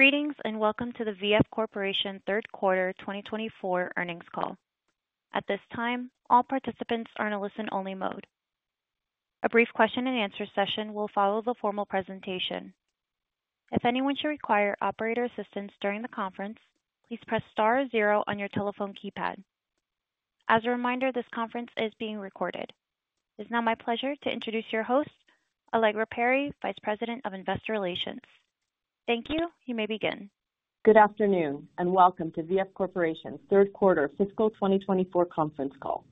Greetings, and welcome to the VF Corporation Third Quarter 2024 Earnings Call. At this time, all participants are in a listen-only mode. A brief question and answer session will follow the formal presentation. If anyone should require operator assistance during the conference, please press star zero on your telephone keypad. As a reminder, this conference is being recorded. It's now my pleasure to introduce your host, Allegra Perry, Vice President of Investor Relations. Thank you. You may begin. Good afternoon, and welcome to VF Corporation's Third Quarter Fiscal 2024 Conference Call.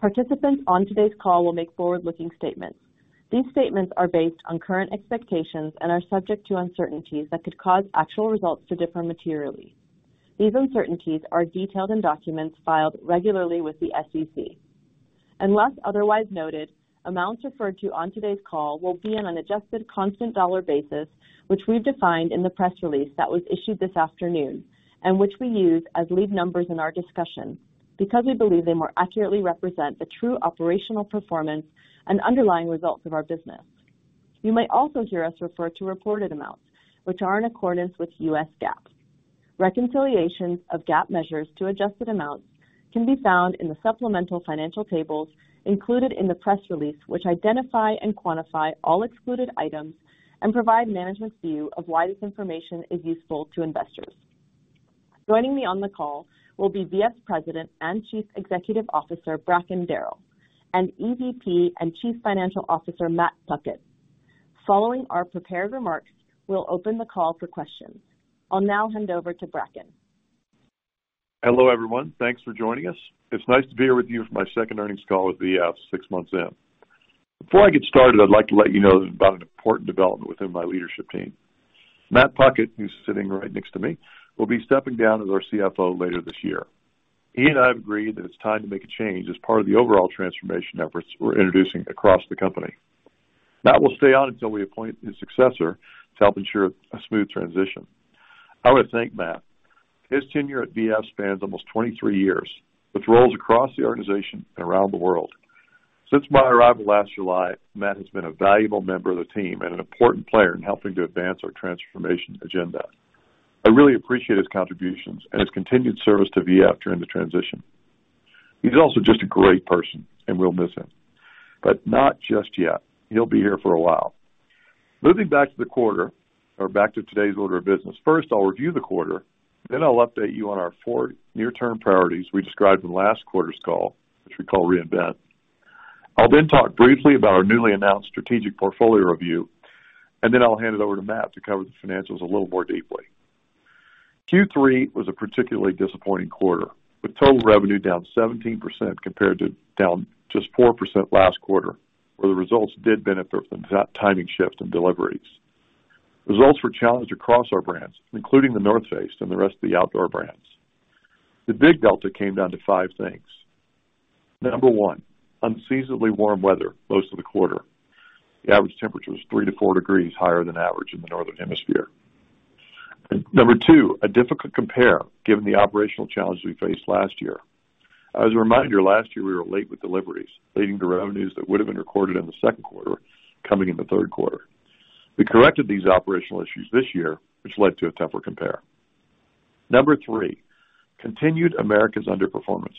Participants on today's call will make forward-looking statements. These statements are based on current expectations and are subject to uncertainties that could cause actual results to differ materially. These uncertainties are detailed in documents filed regularly with the SEC. Unless otherwise noted, amounts referred to on today's call will be on an adjusted constant dollar basis, which we've defined in the press release that was issued this afternoon and which we use as lead numbers in our discussion, because we believe they more accurately represent the true operational performance and underlying results of our business. You might also hear us refer to reported amounts, which are in accordance with U.S. GAAP. Reconciliations of GAAP measures to adjusted amounts can be found in the supplemental financial tables included in the press release, which identify and quantify all excluded items and provide management's view of why this information is useful to investors. Joining me on the call will be VF President and Chief Executive Officer, Bracken Darrell, and EVP and Chief Financial Officer, Matt Puckett. Following our prepared remarks, we'll open the call for questions. I'll now hand over to Bracken. Hello, everyone. Thanks for joining us. It's nice to be here with you for my second earnings call with VF six months in. Before I get started, I'd like to let you know about an important development within my leadership team. Matt Puckett, who's sitting right next to me, will be stepping down as our CFO later this year. He and I have agreed that it's time to make a change as part of the overall transformation efforts we're introducing across the company. Matt will stay on until we appoint his successor to help ensure a smooth transition. I want to thank Matt. His tenure at VF spans almost 23 years, with roles across the organization and around the world. Since my arrival last July, Matt has been a valuable member of the team and an important player in helping to advance our transformation agenda. I really appreciate his contributions and his continued service to VF during the transition. He's also just a great person, and we'll miss him, but not just yet. He'll be here for a while. Moving back to the quarter or back to today's order of business. First, I'll review the quarter, then I'll update you on our four near-term priorities we described in last quarter's call, which we call Reinvent. I'll then talk briefly about our newly announced strategic portfolio review, and then I'll hand it over to Matt to cover the financials a little more deeply. Q3 was a particularly disappointing quarter, with total revenue down 17% compared to down just 4% last quarter, where the results did benefit from timing shifts and deliveries. Results were challenged across our brands, including The North Face and the rest of the outdoor brands. The big delta came down to 5 things. Number 1, unseasonably warm weather most of the quarter. The average temperature was 3-4 degrees higher than average in the Northern Hemisphere. Number 2, a difficult compare given the operational challenges we faced last year. As a reminder, last year we were late with deliveries, leading to revenues that would have been recorded in the second quarter coming in the third quarter. We corrected these operational issues this year, which led to a tougher compare. Number 3, continued Americas underperformance.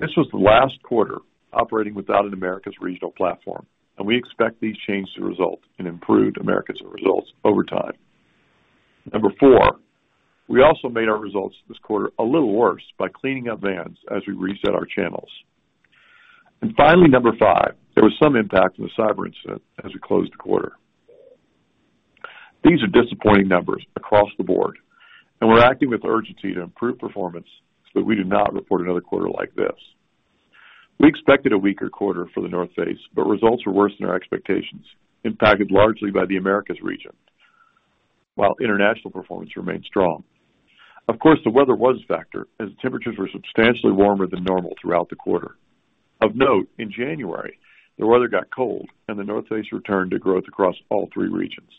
This was the last quarter operating without an Americas regional platform, and we expect these changes to result in improved Americas results over time. Number 4, we also made our results this quarter a little worse by cleaning up Vans as we reset our channels. And finally, number five, there was some impact from the cyber incident as we closed the quarter. These are disappointing numbers across the board, and we're acting with urgency to improve performance so that we do not report another quarter like this. We expected a weaker quarter for The North Face, but results were worse than our expectations, impacted largely by the Americas region, while international performance remained strong. Of course, the weather was a factor as temperatures were substantially warmer than normal throughout the quarter. Of note, in January, the weather got cold and The North Face returned to growth across all three regions.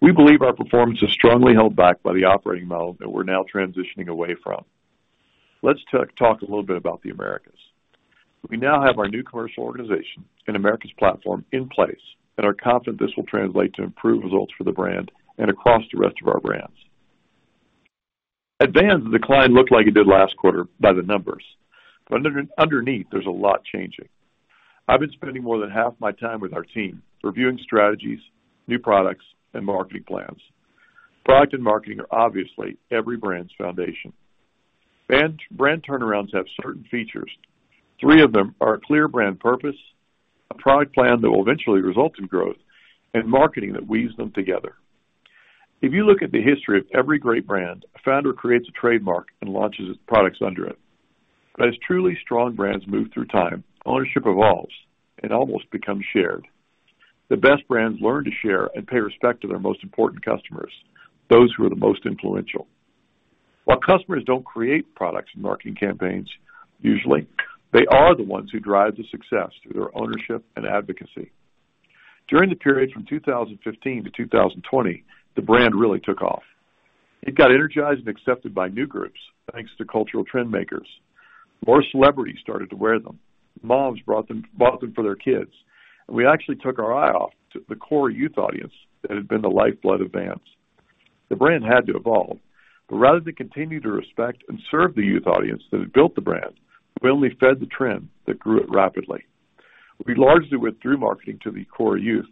We believe our performance is strongly held back by the operating model that we're now transitioning away from. Let's talk, talk a little bit about the Americas. We now have our new commercial organization and Americas platform in place and are confident this will translate to improved results for the brand and across the rest of our brands. At Vans, the decline looked like it did last quarter by the numbers, but underneath, there's a lot changing. I've been spending more than half my time with our team reviewing strategies, new products and marketing plans. Product and marketing are obviously every brand's foundation. Brand turnarounds have certain features. Three of them are a clear brand purpose, a product plan that will eventually result in growth, and marketing that weaves them together. If you look at the history of every great brand, a founder creates a trademark and launches its products under it. But as truly strong brands move through time, ownership evolves and almost becomes shared. The best brands learn to share and pay respect to their most important customers, those who are the most influential. While customers don't create products and marketing campaigns, usually, they are the ones who drive the success through their ownership and advocacy. During the period from 2015-2020, the brand really took off.... It got energized and accepted by new groups, thanks to cultural trend makers. More celebrities started to wear them. Moms brought them, bought them for their kids. And we actually took our eye off to the core youth audience that had been the lifeblood of Vans. The brand had to evolve, but rather than continue to respect and serve the youth audience that had built the brand, we only fed the trend that grew it rapidly. We largely withdrew marketing to the core youth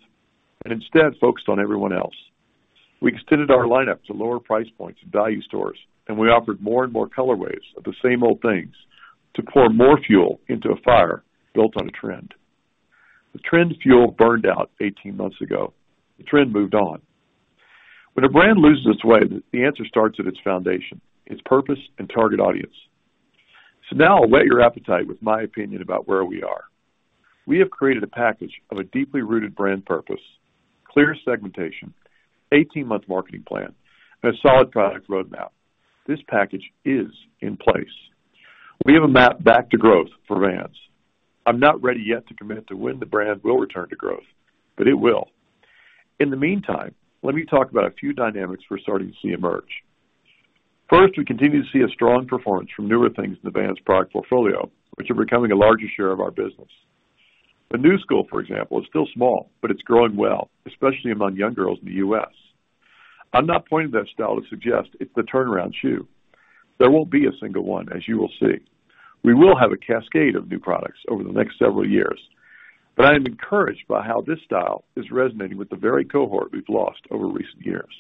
and instead focused on everyone else. We extended our lineup to lower price points and value stores, and we offered more and more colorways of the same old things to pour more fuel into a fire built on a trend. The trend fuel burned out 18 months ago. The trend moved on. When a brand loses its way, the answer starts at its foundation, its purpose and target audience. So now I'll whet your appetite with my opinion about where we are. We have created a package of a deeply rooted brand purpose, clear segmentation, 18-month marketing plan, and a solid product roadmap. This package is in place. We have a map back to growth for Vans. I'm not ready yet to commit to when the brand will return to growth, but it will. In the meantime, let me talk about a few dynamics we're starting to see emerge. First, we continue to see a strong performance from newer things in the Vans product portfolio, which are becoming a larger share of our business. The Knu Skool, for example, is still small, but it's growing well, especially among young girls in the U.S. I'm not pointing to that style to suggest it's the turnaround shoe. There won't be a single one, as you will see. We will have a cascade of new products over the next several years, but I am encouraged by how this style is resonating with the very cohort we've lost over recent years.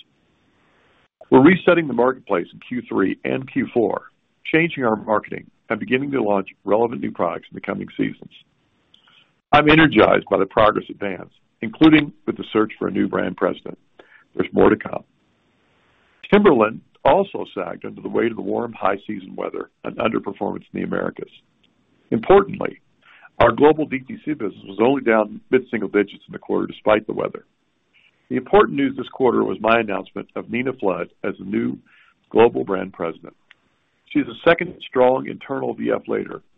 We're resetting the marketplace in Q3 and Q4, changing our marketing and beginning to launch relevant new products in the coming seasons. I'm energized by the progress at Vans, including with the search for a new brand president. There's more to come. Timberland also sagged under the weight of the warm high season weather and underperformance in the Americas. Importantly, our Global DTC business was only down mid-single digits in the quarter, despite the weather. The important news this quarter was my announcement of Nina Flood as the new Global Brand President. She's the second strong internal VF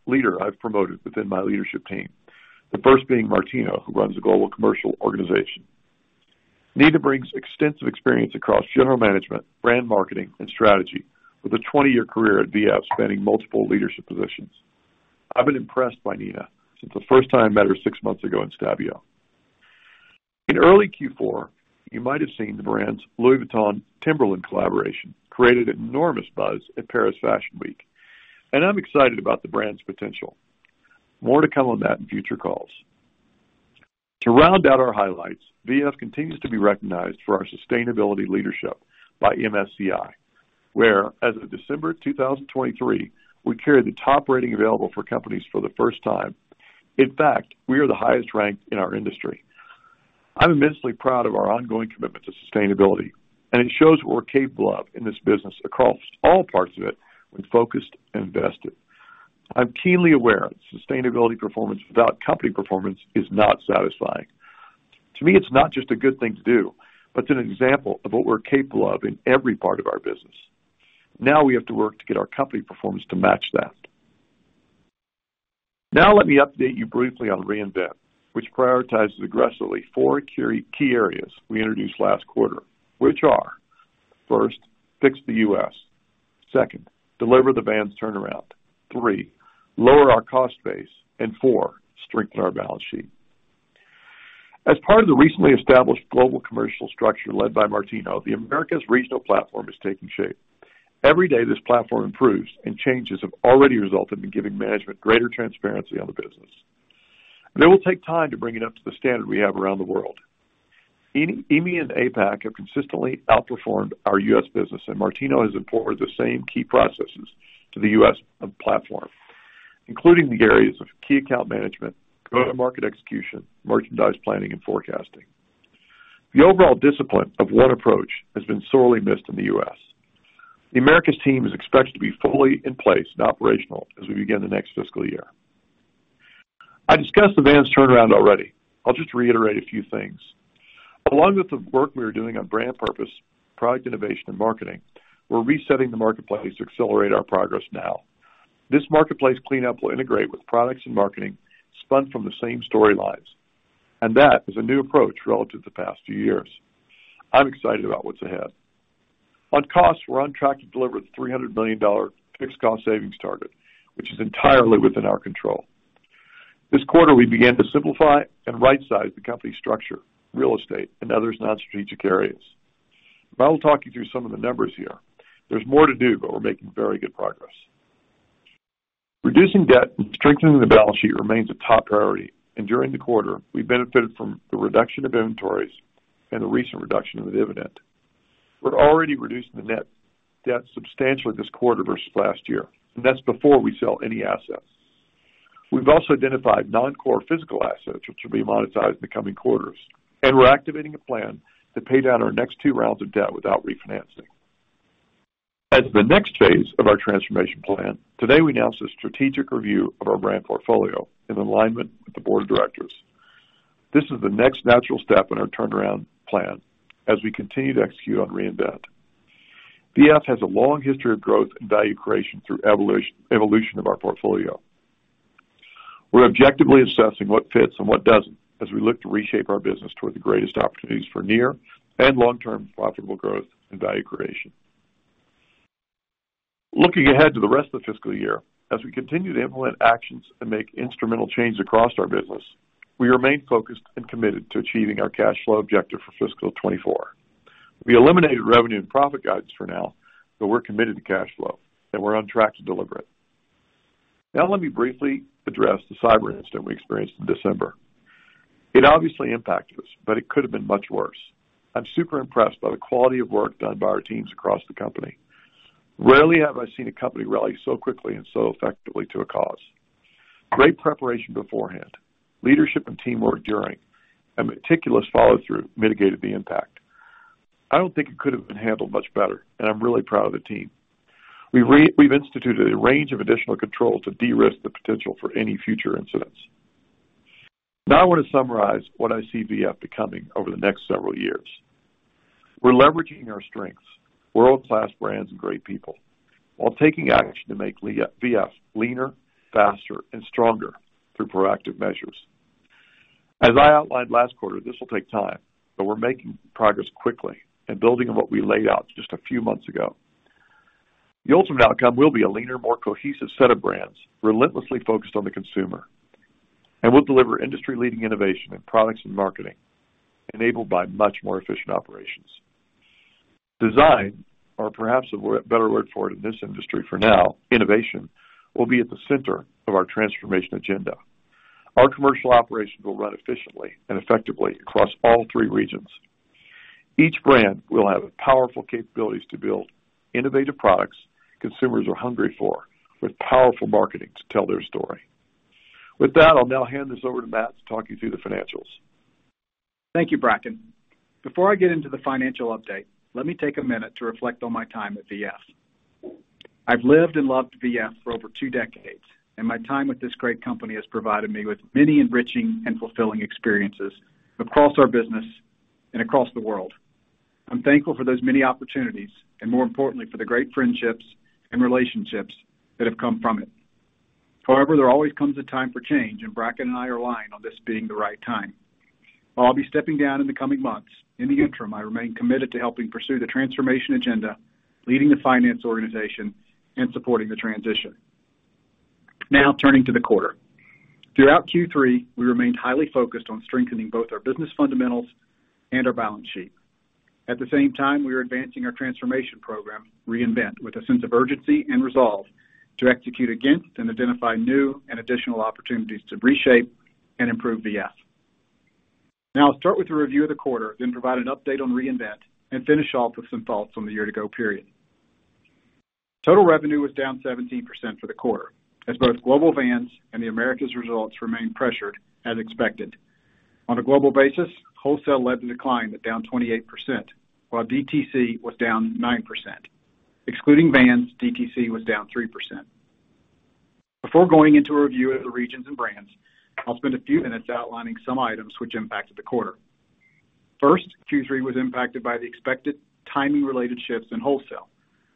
leader I've promoted within my leadership team, the first being Martino, who runs the global commercial organization. Nina brings extensive experience across general management, brand marketing, and strategy, with a 20-year career at VF, spanning multiple leadership positions. I've been impressed by Nina since the first time I met her six months ago in Stabio. In early Q4, you might have seen the brand's Louis Vuitton Timberland collaboration, created enormous buzz at Paris Fashion Week, and I'm excited about the brand's potential. More to come on that in future calls. To round out our highlights, VF continues to be recognized for our sustainability leadership by MSCI, where, as of December 2023, we carry the top rating available for companies for the first time. In fact, we are the highest ranked in our industry. I'm immensely proud of our ongoing commitment to sustainability, and it shows what we're capable of in this business across all parts of it when focused and invested. I'm keenly aware that sustainability performance without company performance is not satisfying. To me, it's not just a good thing to do, but it's an example of what we're capable of in every part of our business. Now we have to work to get our company performance to match that. Now, let me update you briefly on Reinvent, which prioritizes aggressively four key areas we introduced last quarter, which are: first, fix the U.S. Second, deliver the Vans turnaround. Three, lower our cost base, and four, strengthen our balance sheet. As part of the recently established global commercial structure led by Martino, the Americas regional platform is taking shape. Every day, this platform improves, and changes have already resulted in giving management greater transparency on the business. It will take time to bring it up to the standard we have around the world. EMEA and APAC have consistently outperformed our U.S. business, and Martino has imported the same key processes to the U.S. platform, including the areas of key account management, go-to-market execution, merchandise planning, and forecasting. The overall discipline of one approach has been sorely missed in the U.S. The Americas team is expected to be fully in place and operational as we begin the next fiscal year. I discussed the Vans turnaround already. I'll just reiterate a few things. Along with the work we are doing on brand purpose, product innovation, and marketing, we're resetting the marketplace to accelerate our progress now. This marketplace cleanup will integrate with products and marketing spun from the same storylines, and that is a new approach relative to the past few years. I'm excited about what's ahead. On costs, we're on track to deliver the $300 million fixed cost savings target, which is entirely within our control. This quarter, we began to simplify and right-size the company's structure, real estate, and other non-strategic areas. I will talk you through some of the numbers here. There's more to do, but we're making very good progress. Reducing debt and strengthening the balance sheet remains a top priority, and during the quarter, we benefited from the reduction of inventories and the recent reduction of the dividend. We're already reducing the net debt substantially this quarter versus last year, and that's before we sell any assets. We've also identified non-core physical assets, which will be monetized in the coming quarters, and we're activating a plan to pay down our next two rounds of debt without refinancing. As the next phase of our transformation plan, today, we announced a strategic review of our brand portfolio in alignment with the board of directors. This is the next natural step in our turnaround plan as we continue to execute on Reinvent. VF has a long history of growth and value creation through evolution of our portfolio. We're objectively assessing what fits and what doesn't, as we look to reshape our business toward the greatest opportunities for near and long-term profitable growth and value creation. Looking ahead to the rest of the fiscal year, as we continue to implement actions and make instrumental changes across our business, we remain focused and committed to achieving our cash flow objective for fiscal 2024. We eliminated revenue and profit guidance for now, but we're committed to cash flow, and we're on track to deliver it. Now, let me briefly address the cyber incident we experienced in December. It obviously impacted us, but it could have been much worse. I'm super impressed by the quality of work done by our teams across the company. Rarely have I seen a company rally so quickly and so effectively to a cause. Great preparation beforehand, leadership and teamwork during, and meticulous follow-through mitigated the impact. I don't think it could have been handled much better, and I'm really proud of the team. We've instituted a range of additional controls to de-risk the potential for any future incidents. Now, I want to summarize what I see VF becoming over the next several years. We're leveraging our strengths, world-class brands, and great people, while taking action to make VF leaner, faster, and stronger through proactive measures. As I outlined last quarter, this will take time, but we're making progress quickly and building on what we laid out just a few months ago. The ultimate outcome will be a leaner, more cohesive set of brands, relentlessly focused on the consumer. And we'll deliver industry-leading innovation in products and marketing, enabled by much more efficient operations. Design, or perhaps a better word for it in this industry for now, innovation, will be at the center of our transformation agenda. Our commercial operations will run efficiently and effectively across all three regions. Each brand will have powerful capabilities to build innovative products consumers are hungry for, with powerful marketing to tell their story. With that, I'll now hand this over to Matt to talk you through the financials. Thank you, Bracken. Before I get into the financial update, let me take a minute to reflect on my time at VF. I've lived and loved VF for over two decades, and my time with this great company has provided me with many enriching and fulfilling experiences across our business and across the world. I'm thankful for those many opportunities and, more importantly, for the great friendships and relationships that have come from it. However, there always comes a time for change, and Bracken and I are aligned on this being the right time. I'll be stepping down in the coming months. In the interim, I remain committed to helping pursue the transformation agenda, leading the finance organization, and supporting the transition. Now, turning to the quarter. Throughout Q3, we remained highly focused on strengthening both our business fundamentals and our balance sheet. At the same time, we are advancing our transformation program, Reinvent, with a sense of urgency and resolve to execute against and identify new and additional opportunities to reshape and improve VF. Now I'll start with a review of the quarter, then provide an update on Reinvent, and finish off with some thoughts on the year-ago period. Total revenue was down 17% for the quarter, as both Global Vans and the Americas results remained pressured as expected. On a global basis, wholesale led to decline, but down 28%, while DTC was down 9%. Excluding Vans, DTC was down 3%. Before going into a review of the regions and brands, I'll spend a few minutes outlining some items which impacted the quarter. First, Q3 was impacted by the expected timing-related shifts in wholesale,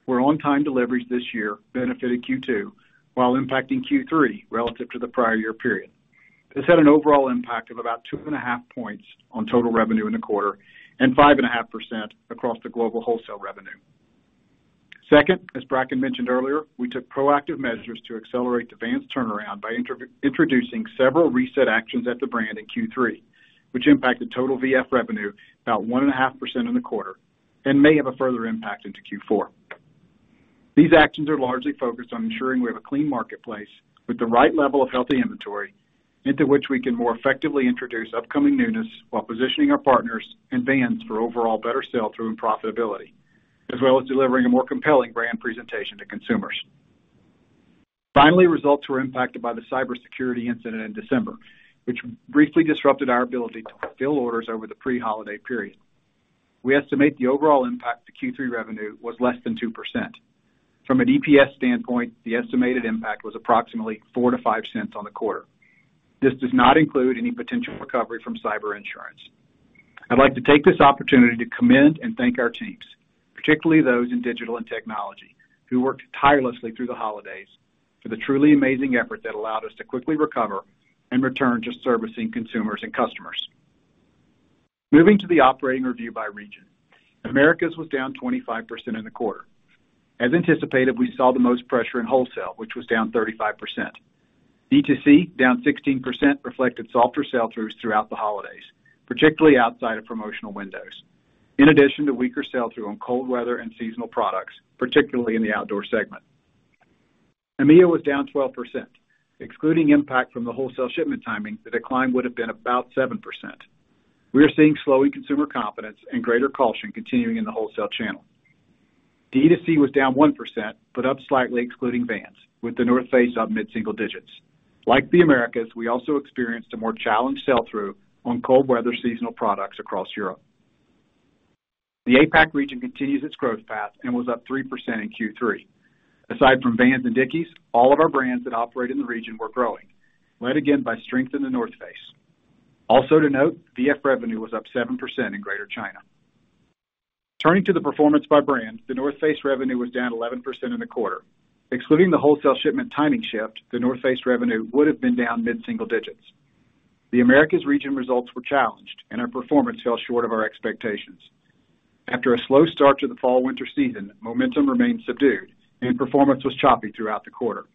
where on-time deliveries this year benefited Q2 while impacting Q3 relative to the prior year period. This had an overall impact of about 2.5 points on total revenue in the quarter and 5.5% across the global wholesale revenue. Second, as Bracken mentioned earlier, we took proactive measures to accelerate the Vans turnaround by introducing several reset actions at the brand in Q3, which impacted total VF revenue about 1.5% in the quarter and may have a further impact into Q4. These actions are largely focused on ensuring we have a clean marketplace with the right level of healthy inventory, into which we can more effectively introduce upcoming newness while positioning our partners and Vans for overall better sell-through and profitability, as well as delivering a more compelling brand presentation to consumers. Finally, results were impacted by the cybersecurity incident in December, which briefly disrupted our ability to fulfill orders over the pre-holiday period. We estimate the overall impact to Q3 revenue was less than 2%. From an EPS standpoint, the estimated impact was approximately $0.04-$0.05 on the quarter. This does not include any potential recovery from cyber insurance. I'd like to take this opportunity to commend and thank our teams, particularly those in digital and technology, who worked tirelessly through the holidays for the truly amazing effort that allowed us to quickly recover and return to servicing consumers and customers. Moving to the operating review by region. Americas was down 25% in the quarter. As anticipated, we saw the most pressure in wholesale, which was down 35%. DTC, down 16%, reflected softer sell-throughs throughout the holidays, particularly outside of promotional windows, in addition to weaker sell-through on cold weather and seasonal products, particularly in the outdoor segment. EMEA was down 12%. Excluding impact from the wholesale shipment timing, the decline would have been about 7%. We are seeing slowing consumer confidence and greater caution continuing in the wholesale channel. D2C was down 1%, but up slightly, excluding Vans, with The North Face up mid-single digits. Like the Americas, we also experienced a more challenged sell-through on cold weather seasonal products across Europe. The APAC region continues its growth path and was up 3% in Q3. Aside from Vans and Dickies, all of our brands that operate in the region were growing, led again by strength in The North Face. Also to note, VF revenue was up 7% in Greater China. Turning to the performance by brand, The North Face revenue was down 11% in the quarter. Excluding the wholesale shipment timing shift, The North Face revenue would have been down mid-single digits. The Americas region results were challenged, and our performance fell short of our expectations. After a slow start to the fall-winter season, momentum remained subdued and performance was choppy throughout the quarter.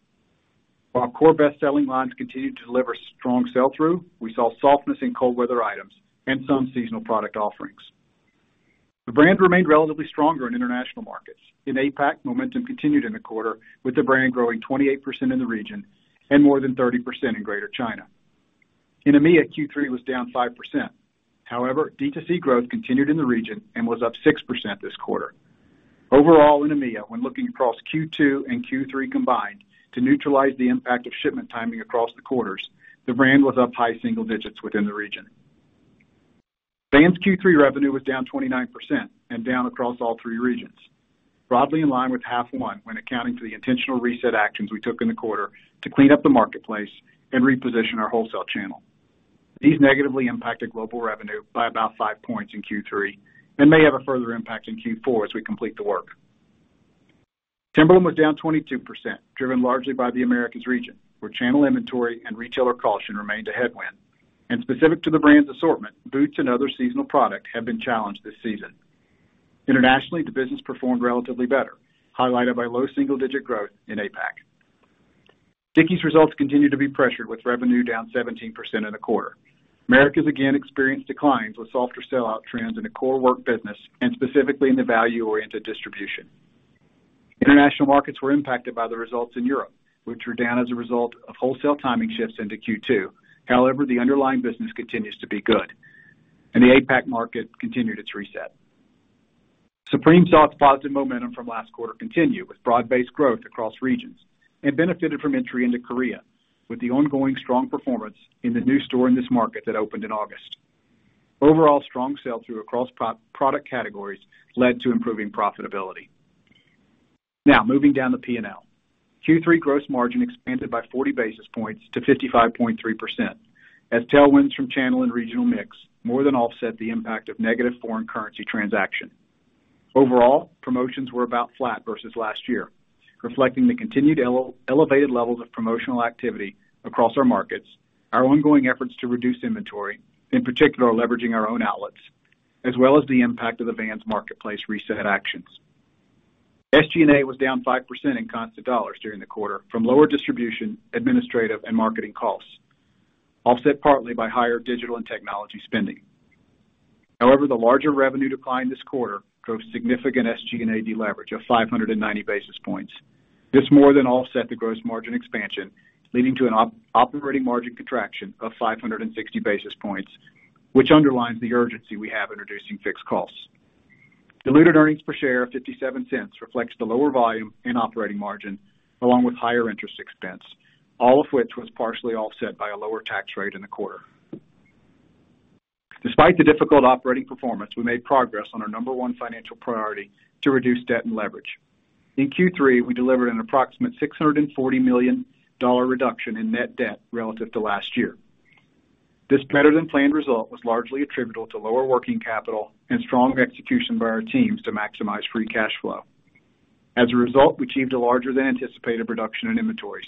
While core best-selling lines continued to deliver strong sell-through, we saw softness in cold weather items and some seasonal product offerings. The brand remained relatively stronger in international markets. In APAC, momentum continued in the quarter, with the brand growing 28% in the region and more than 30% in Greater China. In EMEA, Q3 was down 5%. However, D2C growth continued in the region and was up 6% this quarter. Overall, in EMEA, when looking across Q2 and Q3 combined to neutralize the impact of shipment timing across the quarters, the brand was up high single digits within the region. Vans' Q3 revenue was down 29% and down across all three regions, broadly in line with H1, when accounting for the intentional reset actions we took in the quarter to clean up the marketplace and reposition our wholesale channel. These negatively impacted global revenue by about 5 points in Q3 and may have a further impact in Q4 as we complete the work. Timberland was down 22%, driven largely by the Americas region, where channel inventory and retailer caution remained a headwind, and specific to the brand's assortment, boots and other seasonal product have been challenged this season. Internationally, the business performed relatively better, highlighted by low single-digit growth in APAC. Dickies results continued to be pressured, with revenue down 17% in the quarter. Americas again experienced declines with softer sell-out trends in the core work business and specifically in the value-oriented distribution. International markets were impacted by the results in Europe, which were down as a result of wholesale timing shifts into Q2. However, the underlying business continues to be good, and the APAC market continued its reset. Supreme saw positive momentum from last quarter continue with broad-based growth across regions and benefited from entry into Korea, with the ongoing strong performance in the new store in this market that opened in August. Overall, strong sell-through across product categories led to improving profitability. Now, moving down the P&L. Q3 gross margin expanded by 40 basis points to 55.3%, as tailwinds from channel and regional mix more than offset the impact of negative foreign currency transaction. Overall, promotions were about flat versus last year, reflecting the continued elevated levels of promotional activity across our markets, our ongoing efforts to reduce inventory, in particular, leveraging our own outlets, as well as the impact of the Vans marketplace reset actions. SG&A was down 5% in constant dollars during the quarter from lower distribution, administrative and marketing costs, offset partly by higher digital and technology spending. However, the larger revenue decline this quarter drove significant SG&A deleverage of 590 basis points. This more than offset the gross margin expansion, leading to an operating margin contraction of 560 basis points, which underlines the urgency we have in reducing fixed costs. Diluted earnings per share of $0.57 reflects the lower volume and operating margin, along with higher interest expense, all of which was partially offset by a lower tax rate in the quarter. Despite the difficult operating performance, we made progress on our number one financial priority to reduce debt and leverage. In Q3, we delivered an approximate $640 million reduction in net debt relative to last year. This better-than-planned result was largely attributable to lower working capital and strong execution by our teams to maximize free cash flow. As a result, we achieved a larger than anticipated reduction in inventories,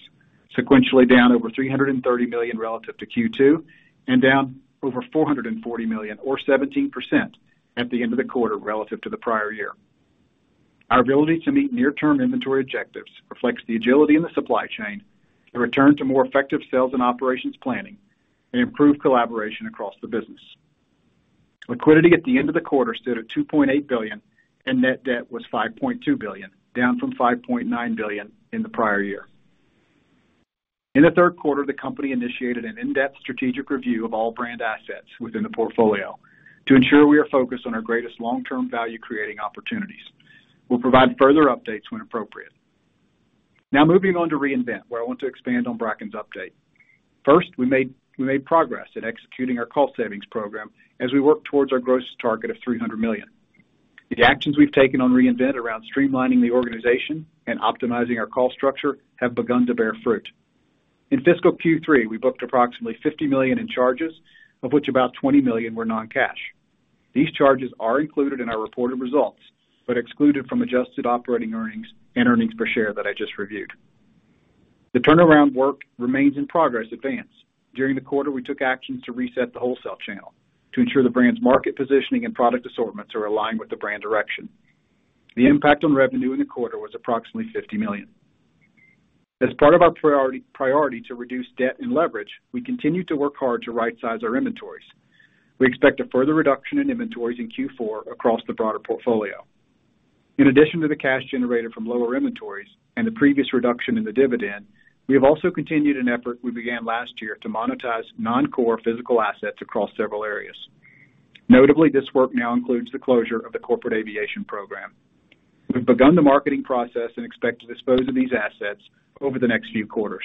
sequentially down over $330 million relative to Q2 and down over $440 million or 17% at the end of the quarter relative to the prior year. Our ability to meet near-term inventory objectives reflects the agility in the supply chain, a return to more effective sales and operations planning, and improved collaboration across the business. Liquidity at the end of the quarter stood at $2.8 billion, and net debt was $5.2 billion, down from $5.9 billion in the prior year. In the third quarter, the company initiated an in-depth strategic review of all brand assets within the portfolio to ensure we are focused on our greatest long-term value-creating opportunities. We'll provide further updates when appropriate. Now moving on to Reinvent, where I want to expand on Bracken's update. First, we made progress in executing our cost savings program as we work towards our gross target of $300 million. The actions we've taken on Reinvent around streamlining the organization and optimizing our cost structure have begun to bear fruit. In fiscal Q3, we booked approximately $50 million in charges, of which about $20 million were non-cash. These charges are included in our reported results, but excluded from adjusted operating earnings and earnings per share that I just reviewed. The turnaround work remains in progress at Vans. During the quarter, we took actions to reset the wholesale channel to ensure the brand's market positioning and product assortments are aligned with the brand direction. The impact on revenue in the quarter was approximately $50 million. As part of our priority, priority to reduce debt and leverage, we continue to work hard to rightsize our inventories. We expect a further reduction in inventories in Q4 across the broader portfolio. In addition to the cash generated from lower inventories and the previous reduction in the dividend, we have also continued an effort we began last year to monetize non-core physical assets across several areas. Notably, this work now includes the closure of the corporate aviation program. We've begun the marketing process and expect to dispose of these assets over the next few quarters.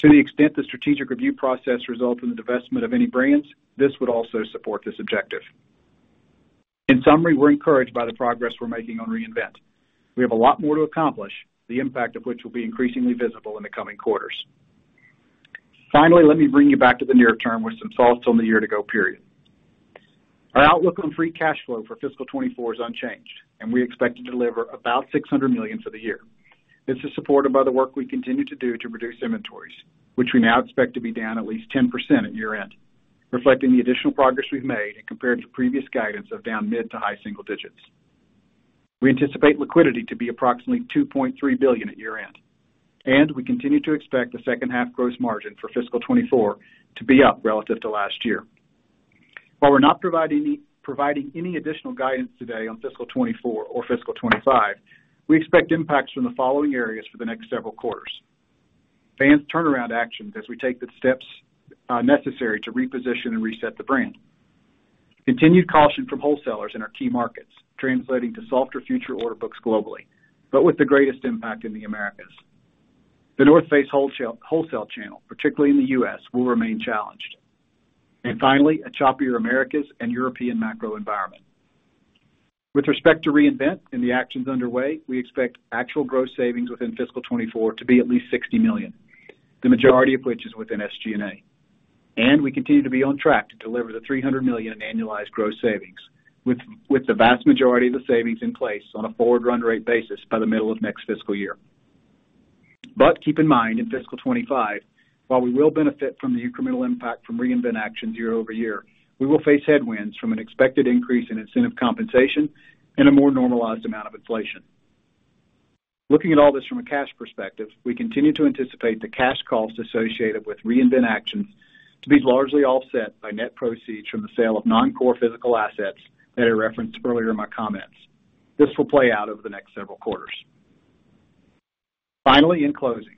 To the extent the strategic review process results in the divestment of any brands, this would also support this objective. In summary, we're encouraged by the progress we're making on Reinvent. We have a lot more to accomplish, the impact of which will be increasingly visible in the coming quarters. Finally, let me bring you back to the near term with some thoughts on the year-to-go period. Our outlook on free cash flow for fiscal 2024 is unchanged, and we expect to deliver about $600 million for the year. This is supported by the work we continue to do to reduce inventories, which we now expect to be down at least 10% at year-end, reflecting the additional progress we've made and compared to previous guidance of down mid- to high-single digits. We anticipate liquidity to be approximately $2.3 billion at year-end, and we continue to expect the second half gross margin for fiscal 2024 to be up relative to last year. While we're not providing any additional guidance today on fiscal 2024 or fiscal 2025, we expect impacts from the following areas for the next several quarters. Vans turnaround actions as we take the steps necessary to reposition and reset the brand. Continued caution from wholesalers in our key markets, translating to softer future order books globally, but with the greatest impact in the Americas. The North Face wholesale channel, particularly in the U.S., will remain challenged. And finally, a choppier Americas and European macro environment. With respect to Reinvent and the actions underway, we expect actual gross savings within fiscal 2024 to be at least $60 million, the majority of which is within SG&A, and we continue to be on track to deliver the $300 million in annualized gross savings, with the vast majority of the savings in place on a forward run rate basis by the middle of next fiscal year. But keep in mind, in fiscal 2025, while we will benefit from the incremental impact from Reinvent actions year-over-year, we will face headwinds from an expected increase in incentive compensation and a more normalized amount of inflation. Looking at all this from a cash perspective, we continue to anticipate the cash costs associated with Reinvent actions to be largely offset by net proceeds from the sale of non-core physical assets that I referenced earlier in my comments. This will play out over the next several quarters. Finally, in closing,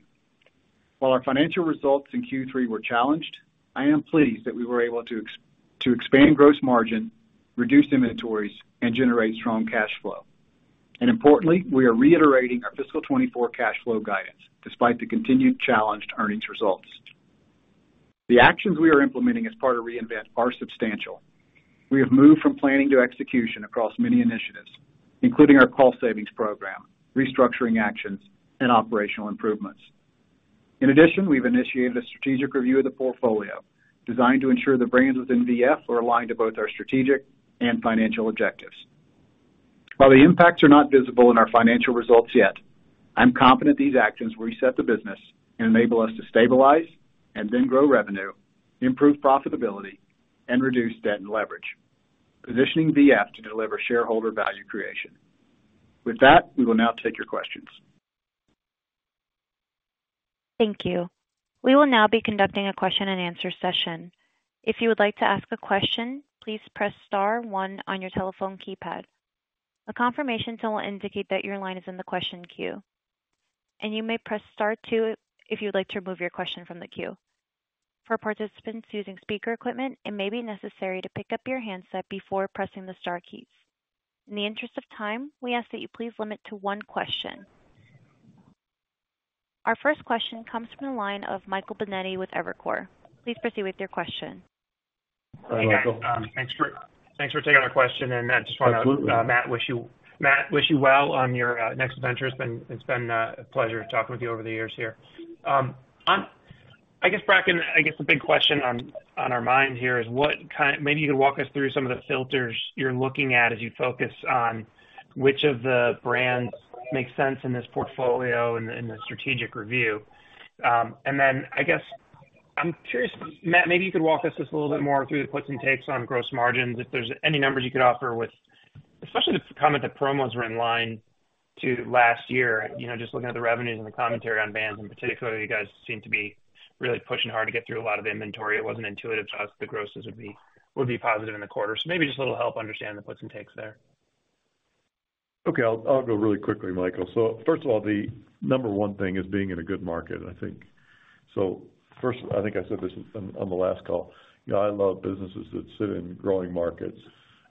while our financial results in Q3 were challenged, I am pleased that we were able to expand gross margin, reduce inventories, and generate strong cash flow. Importantly, we are reiterating our fiscal 2024 cash flow guidance despite the continued challenged earnings results. The actions we are implementing as part of Reinvent are substantial. We have moved from planning to execution across many initiatives, including our cost savings program, restructuring actions, and operational improvements. In addition, we've initiated a strategic review of the portfolio, designed to ensure the brands within VF are aligned to both our strategic and financial objectives. While the impacts are not visible in our financial results yet, I'm confident these actions will reset the business and enable us to stabilize and then grow revenue, improve profitability, and reduce debt and leverage, positioning VF to deliver shareholder value creation. With that, we will now take your questions. Thank you. We will now be conducting a question-and-answer session. If you would like to ask a question, please press star one on your telephone keypad. A confirmation tone will indicate that your line is in the question queue, and you may press star two if you'd like to remove your question from the queue. For participants using speaker equipment, it may be necessary to pick up your handset before pressing the star keys. In the interest of time, we ask that you please limit to one question. Our first question comes from the line of Michael Binetti with Evercore. Please proceed with your question. Hi, Michael. Thanks for taking our question. I just want to- Absolutely. Matt, wish you well on your next venture. It's been a pleasure talking with you over the years here. I guess, Bracken, the big question on our mind here is what kind of—maybe you can walk us through some of the filters you're looking at as you focus on which of the brands make sense in this portfolio and in the strategic review. And then I guess I'm curious, Matt, maybe you could walk us just a little bit more through the puts and takes on gross margins, if there's any numbers you could offer with... Especially the comment that promos were in line with last year, you know, just looking at the revenues and the commentary on Vans, and particularly, you guys seem to be really pushing hard to get through a lot of inventory. It wasn't intuitive to us that the grosses would be positive in the quarter. So maybe just a little help understand the puts and takes there. Okay, I'll go really quickly, Michael. So first of all, the number one thing is being in a good market, I think. So first, I think I said this on the last call: You know, I love businesses that sit in growing markets.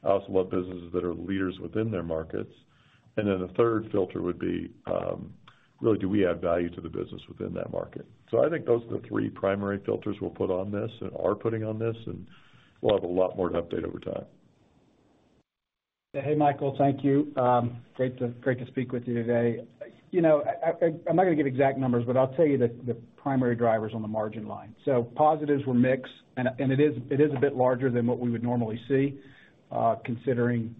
I also love businesses that are leaders within their markets. And then the third filter would be, really, do we add value to the business within that market? So I think those are the three primary filters we'll put on this and are putting on this, and we'll have a lot more to update over time. Hey, Michael. Thank you. Great to speak with you today. You know, I'm not going to give exact numbers, but I'll tell you the primary drivers on the margin line. So positives were mixed, and it is a bit larger than what we would normally see, considering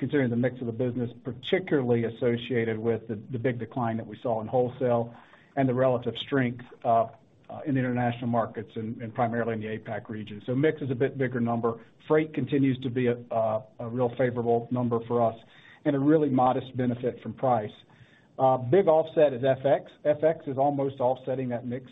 the mix of the business, particularly associated with the big decline that we saw in wholesale and the relative strength in the international markets and primarily in the APAC region. So mix is a bit bigger number. Freight continues to be a real favorable number for us and a really modest benefit from price. Big offset is FX. FX is almost offsetting that mix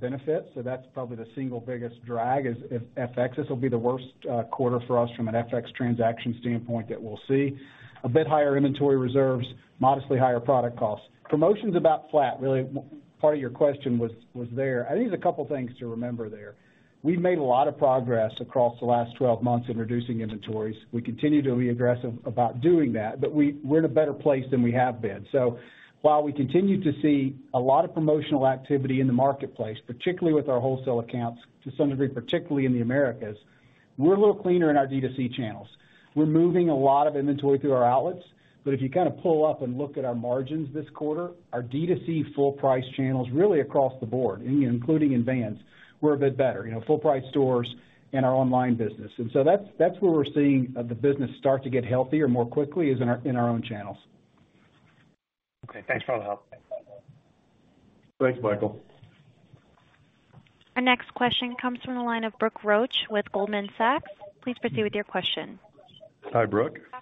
benefit, so that's probably the single biggest drag is FX. This will be the worst quarter for us from an FX transaction standpoint that we'll see. A bit higher inventory reserves, modestly higher product costs. Promotions about flat. Really, part of your question was there. I think there's a couple things to remember there. We've made a lot of progress across the last 12 months in reducing inventories. We continue to be aggressive about doing that, but we're in a better place than we have been. So while we continue to see a lot of promotional activity in the marketplace, particularly with our wholesale accounts, to some degree, particularly in the Americas, we're a little cleaner in our D2C channels. We're moving a lot of inventory through our outlets, but if you kind of pull up and look at our margins this quarter, our D2C full price channels, really across the board, including in Vans, we're a bit better, you know, full price stores and our online business. And so that's, that's where we're seeing, the business start to get healthier more quickly, is in our, in our own channels. Okay, thanks for all the help. Thanks, Michael. Our next question comes from the line of Brooke Roach with Goldman Sachs. Please proceed with your question. Hi, Brooke. Hi,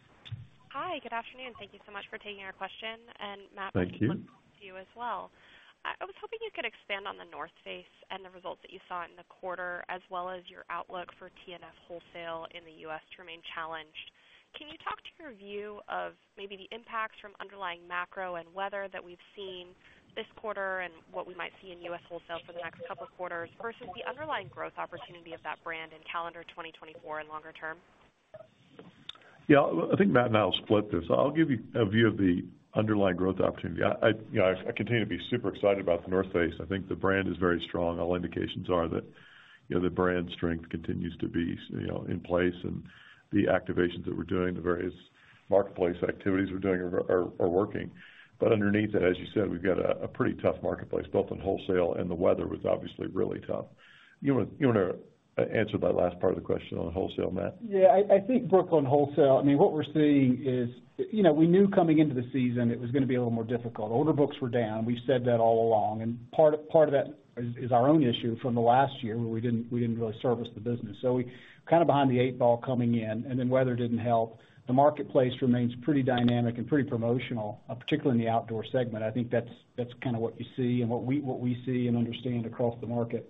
good afternoon. Thank you so much for taking our question. And Matt- Thank you. -... to you as well. I was hoping you could expand on The North Face and the results that you saw in the quarter, as well as your outlook for TNF wholesale in the U.S. to remain challenged. Can you talk to your view of maybe the impacts from underlying macro and weather that we've seen this quarter and what we might see in U.S. wholesale for the next couple of quarters versus the underlying growth opportunity of that brand in calendar 2024 and longer term? Yeah, I think Matt and I will split this. I'll give you a view of the underlying growth opportunity. I, you know, I continue to be super excited about The North Face. I think the brand is very strong. All indications are that, you know, the brand strength continues to be, you know, in place, and the activations that we're doing, the various marketplace activities we're doing are working. But underneath it, as you said, we've got a pretty tough marketplace, both in wholesale and the weather was obviously really tough. You wanna answer that last part of the question on wholesale, Matt? Yeah, I think, Brooke, on wholesale, I mean, what we're seeing is... You know, we knew coming into the season it was gonna be a little more difficult. Order books were down. We've said that all along, and part of that is our own issue from the last year, where we didn't really service the business. So we kind of behind the eight ball coming in, and then weather didn't help. The marketplace remains pretty dynamic and pretty promotional, particularly in the outdoor segment. I think that's kinda what you see and what we see and understand across the market.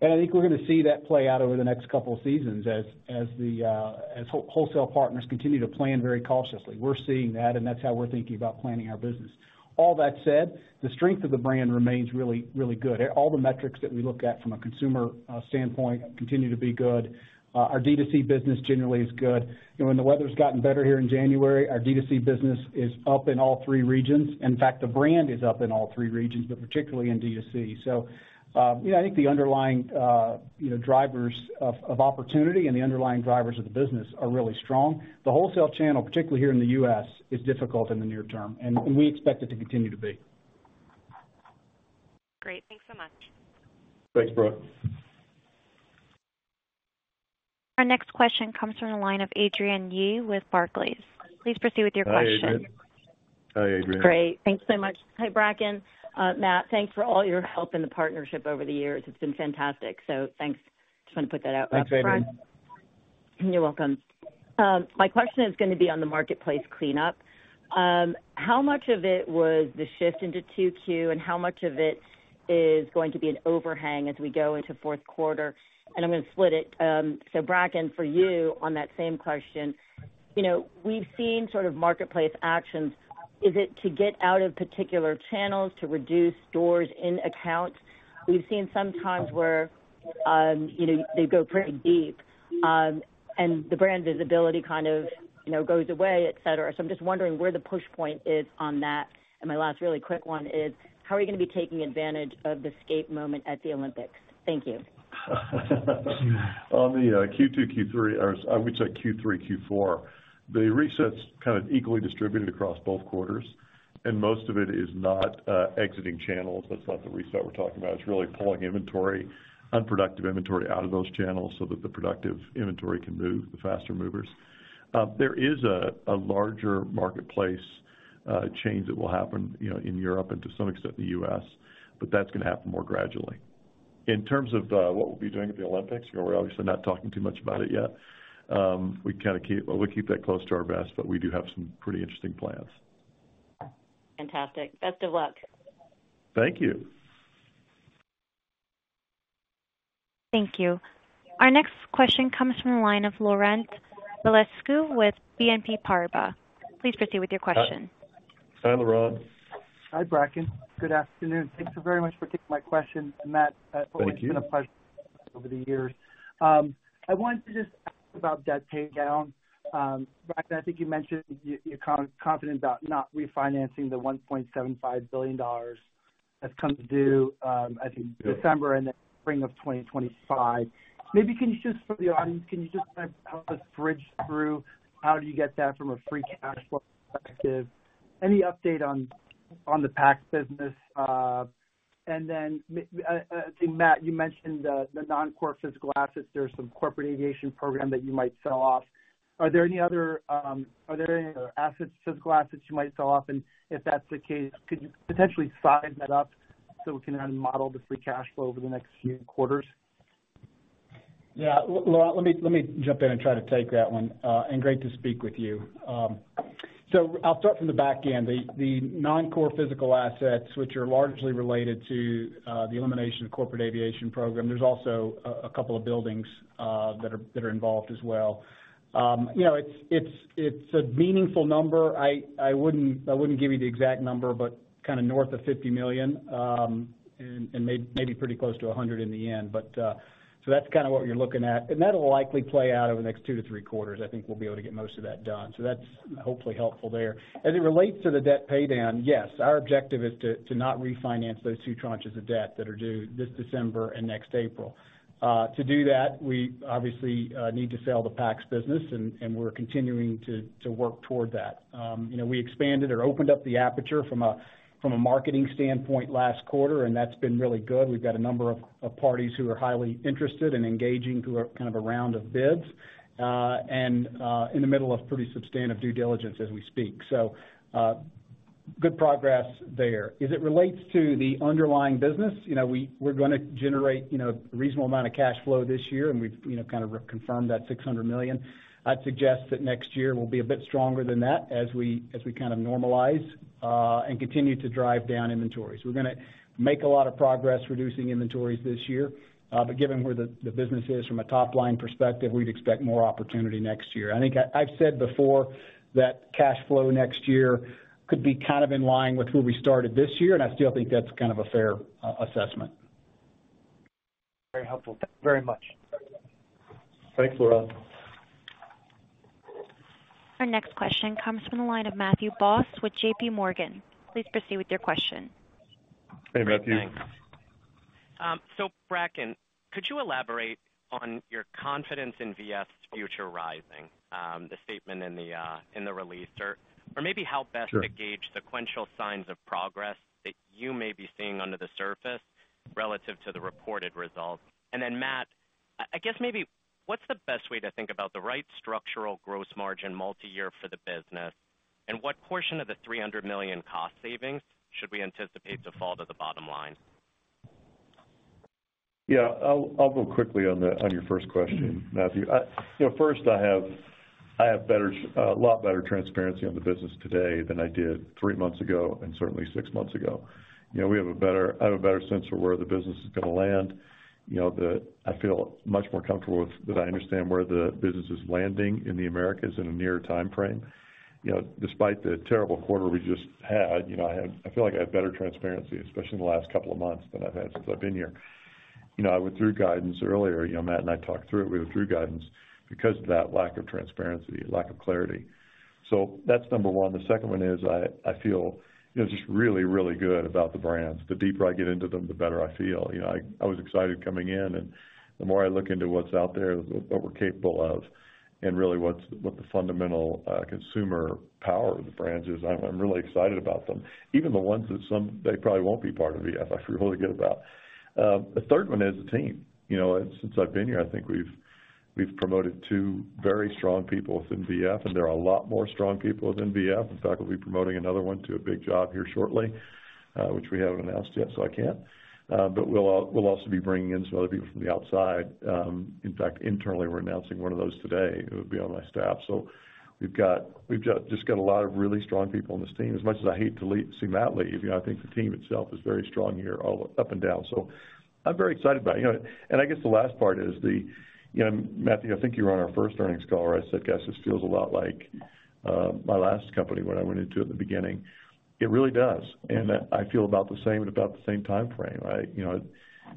And I think we're gonna see that play out over the next couple of seasons, as the wholesale partners continue to plan very cautiously. We're seeing that, and that's how we're thinking about planning our business. All that said, the strength of the brand remains really, really good. All the metrics that we look at from a consumer standpoint continue to be good. Our D2C business generally is good. You know, when the weather's gotten better here in January, our D2C business is up in all three regions. In fact, the brand is up in all three regions, but particularly in D2C. So, you know, I think the underlying, you know, drivers of opportunity and the underlying drivers of the business are really strong. The wholesale channel, particularly here in the U.S., is difficult in the near term, and we expect it to continue to be. Great. Thanks so much. Thanks, Brooke. Our next question comes from the line of Adrienne Yih with Barclays. Please proceed with your question. Hi, Adrienne. Hi, Adrienne. Great. Thanks so much. Hi, Bracken. Matt, thanks for all your help in the partnership over the years. It's been fantastic. So thanks. Just want to put that out. Thanks, Adrienne. You're welcome. My question is gonna be on the marketplace cleanup. How much of it was the shift into 2Q, and how much of it is going to be an overhang as we go into fourth quarter? And I'm gonna split it. So Bracken, for you, on that same question, you know, we've seen sort of marketplace actions. Is it to get out of particular channels, to reduce stores in accounts? We've seen some times where, you know, they go pretty deep, and the brand visibility kind of, you know, goes away, et cetera. So I'm just wondering where the push point is on that. And my last really quick one is, how are you gonna be taking advantage of the skate moment at the Olympics? Thank you. On the Q2, Q3, or I would say Q3, Q4, the resets kind of equally distributed across both quarters, and most of it is not exiting channels. That's not the reset we're talking about. It's really pulling inventory, unproductive inventory out of those channels so that the productive inventory can move the faster movers. There is a larger marketplace change that will happen, you know, in Europe and to some extent the U.S., but that's gonna happen more gradually. In terms of what we'll be doing at the Olympics, you know, we're obviously not talking too much about it yet. We keep that close to our vest, but we do have some pretty interesting plans. Fantastic. Best of luck. Thank you. Thank you. Our next question comes from the line of Laurent Vasilescu with BNP Paribas. Please proceed with your question. Hi, Laurent. Hi, Bracken. Good afternoon. Thank you very much for taking my question. And, Matt- Thank you. It's been a pleasure over the years. I wanted to just ask about debt paydown. Bracken, I think you mentioned you, you're confident about not refinancing the $1.75 billion that's come to due, I think- Good... December and the spring of 2025. Maybe can you just for the audience, can you just help us bridge through how do you get that from a free cash flow perspective? Any update on the Packs business? And then, I think, Matt, you mentioned the non-core physical assets. There's some corporate aviation program that you might sell off. Are there any other, are there any other assets, physical assets you might sell off? And if that's the case, could you potentially size that up so we can then model the free cash flow over the next few quarters? Yeah. Laurent, let me jump in and try to take that one. And great to speak with you. So I'll start from the back end. The non-core physical assets, which are largely related to the elimination of corporate aviation program, there's also a couple of buildings that are involved as well. You know, it's a meaningful number. I wouldn't give you the exact number, but kinda north of $50 million, and maybe pretty close to $100 million in the end. But so that's kinda what you're looking at, and that'll likely play out over the next 2-3 quarters. I think we'll be able to get most of that done. So that's hopefully helpful there. As it relates to the debt paydown, yes, our objective is to not refinance those two tranches of debt that are due this December and next April. To do that, we obviously need to sell the Packs business, and we're continuing to work toward that. You know, we expanded or opened up the aperture from a marketing standpoint last quarter, and that's been really good. We've got a number of parties who are highly interested and engaging through a kind of round of bids, and in the middle of pretty substantive due diligence as we speak. So, good progress there. As it relates to the underlying business, you know, we're gonna generate a reasonable amount of cash flow this year, and we've kind of reconfirmed that $600 million. I'd suggest that next year will be a bit stronger than that as we kind of normalize and continue to drive down inventories. We're gonna make a lot of progress reducing inventories this year. But given where the business is from a top-line perspective, we'd expect more opportunity next year. I think I've said before that cash flow next year could be kind of in line with where we started this year, and I still think that's kind of a fair assessment. Very helpful. Thank you very much. Thanks, Laurent. Our next question comes from the line of Matthew Boss with JPMorgan. Please proceed with your question. Hey, Matthew. Thanks. So Bracken, could you elaborate on your confidence in VF's future rising, the statement in the release? Or maybe how best- Sure to gauge sequential signs of progress that you may be seeing under the surface relative to the reported results. And then, Matt, I guess maybe what's the best way to think about the right structural gross margin multiyear for the business, and what portion of the $300 million cost savings should we anticipate to fall to the bottom line? Yeah, I'll, I'll go quickly on the, on your first question, Matthew. I... You know, first, I have, I have better, a lot better transparency on the business today than I did three months ago and certainly six months ago. You know, we have a better, I have a better sense of where the business is gonna land. You know, the, I feel much more comfortable with, that I understand where the business is landing in the Americas in the near timeframe. You know, despite the terrible quarter we just had, you know, I have, I feel like I have better transparency, especially in the last couple of months, than I've had since I've been here. You know, I went through guidance earlier. You know, Matt and I talked through it. We went through guidance because of that lack of transparency, lack of clarity. So that's number one. The second one is, I feel, you know, just really, really good about the brands. The deeper I get into them, the better I feel. You know, I was excited coming in, and the more I look into what's out there, what we're capable of, and really what the fundamental consumer power of the brands is, I'm really excited about them. Even the ones that some, they probably won't be part of VF, I feel really good about. The third one is the team. You know, since I've been here, I think we've promoted two very strong people within VF, and there are a lot more strong people within VF. In fact, we'll be promoting another one to a big job here shortly, which we haven't announced yet, so I can't. But we'll also be bringing in some other people from the outside. In fact, internally, we're announcing one of those today, who will be on my staff. So we've just got a lot of really strong people on this team. As much as I hate to see Matt leave, you know, I think the team itself is very strong here, all up and down. So I'm very excited about it. You know, and I guess the last part is the... You know, Matthew, I think you were on our first earnings call, where I said, "Guess this feels a lot like my last company, when I went into it at the beginning." It really does, and I feel about the same, at about the same timeframe. You know,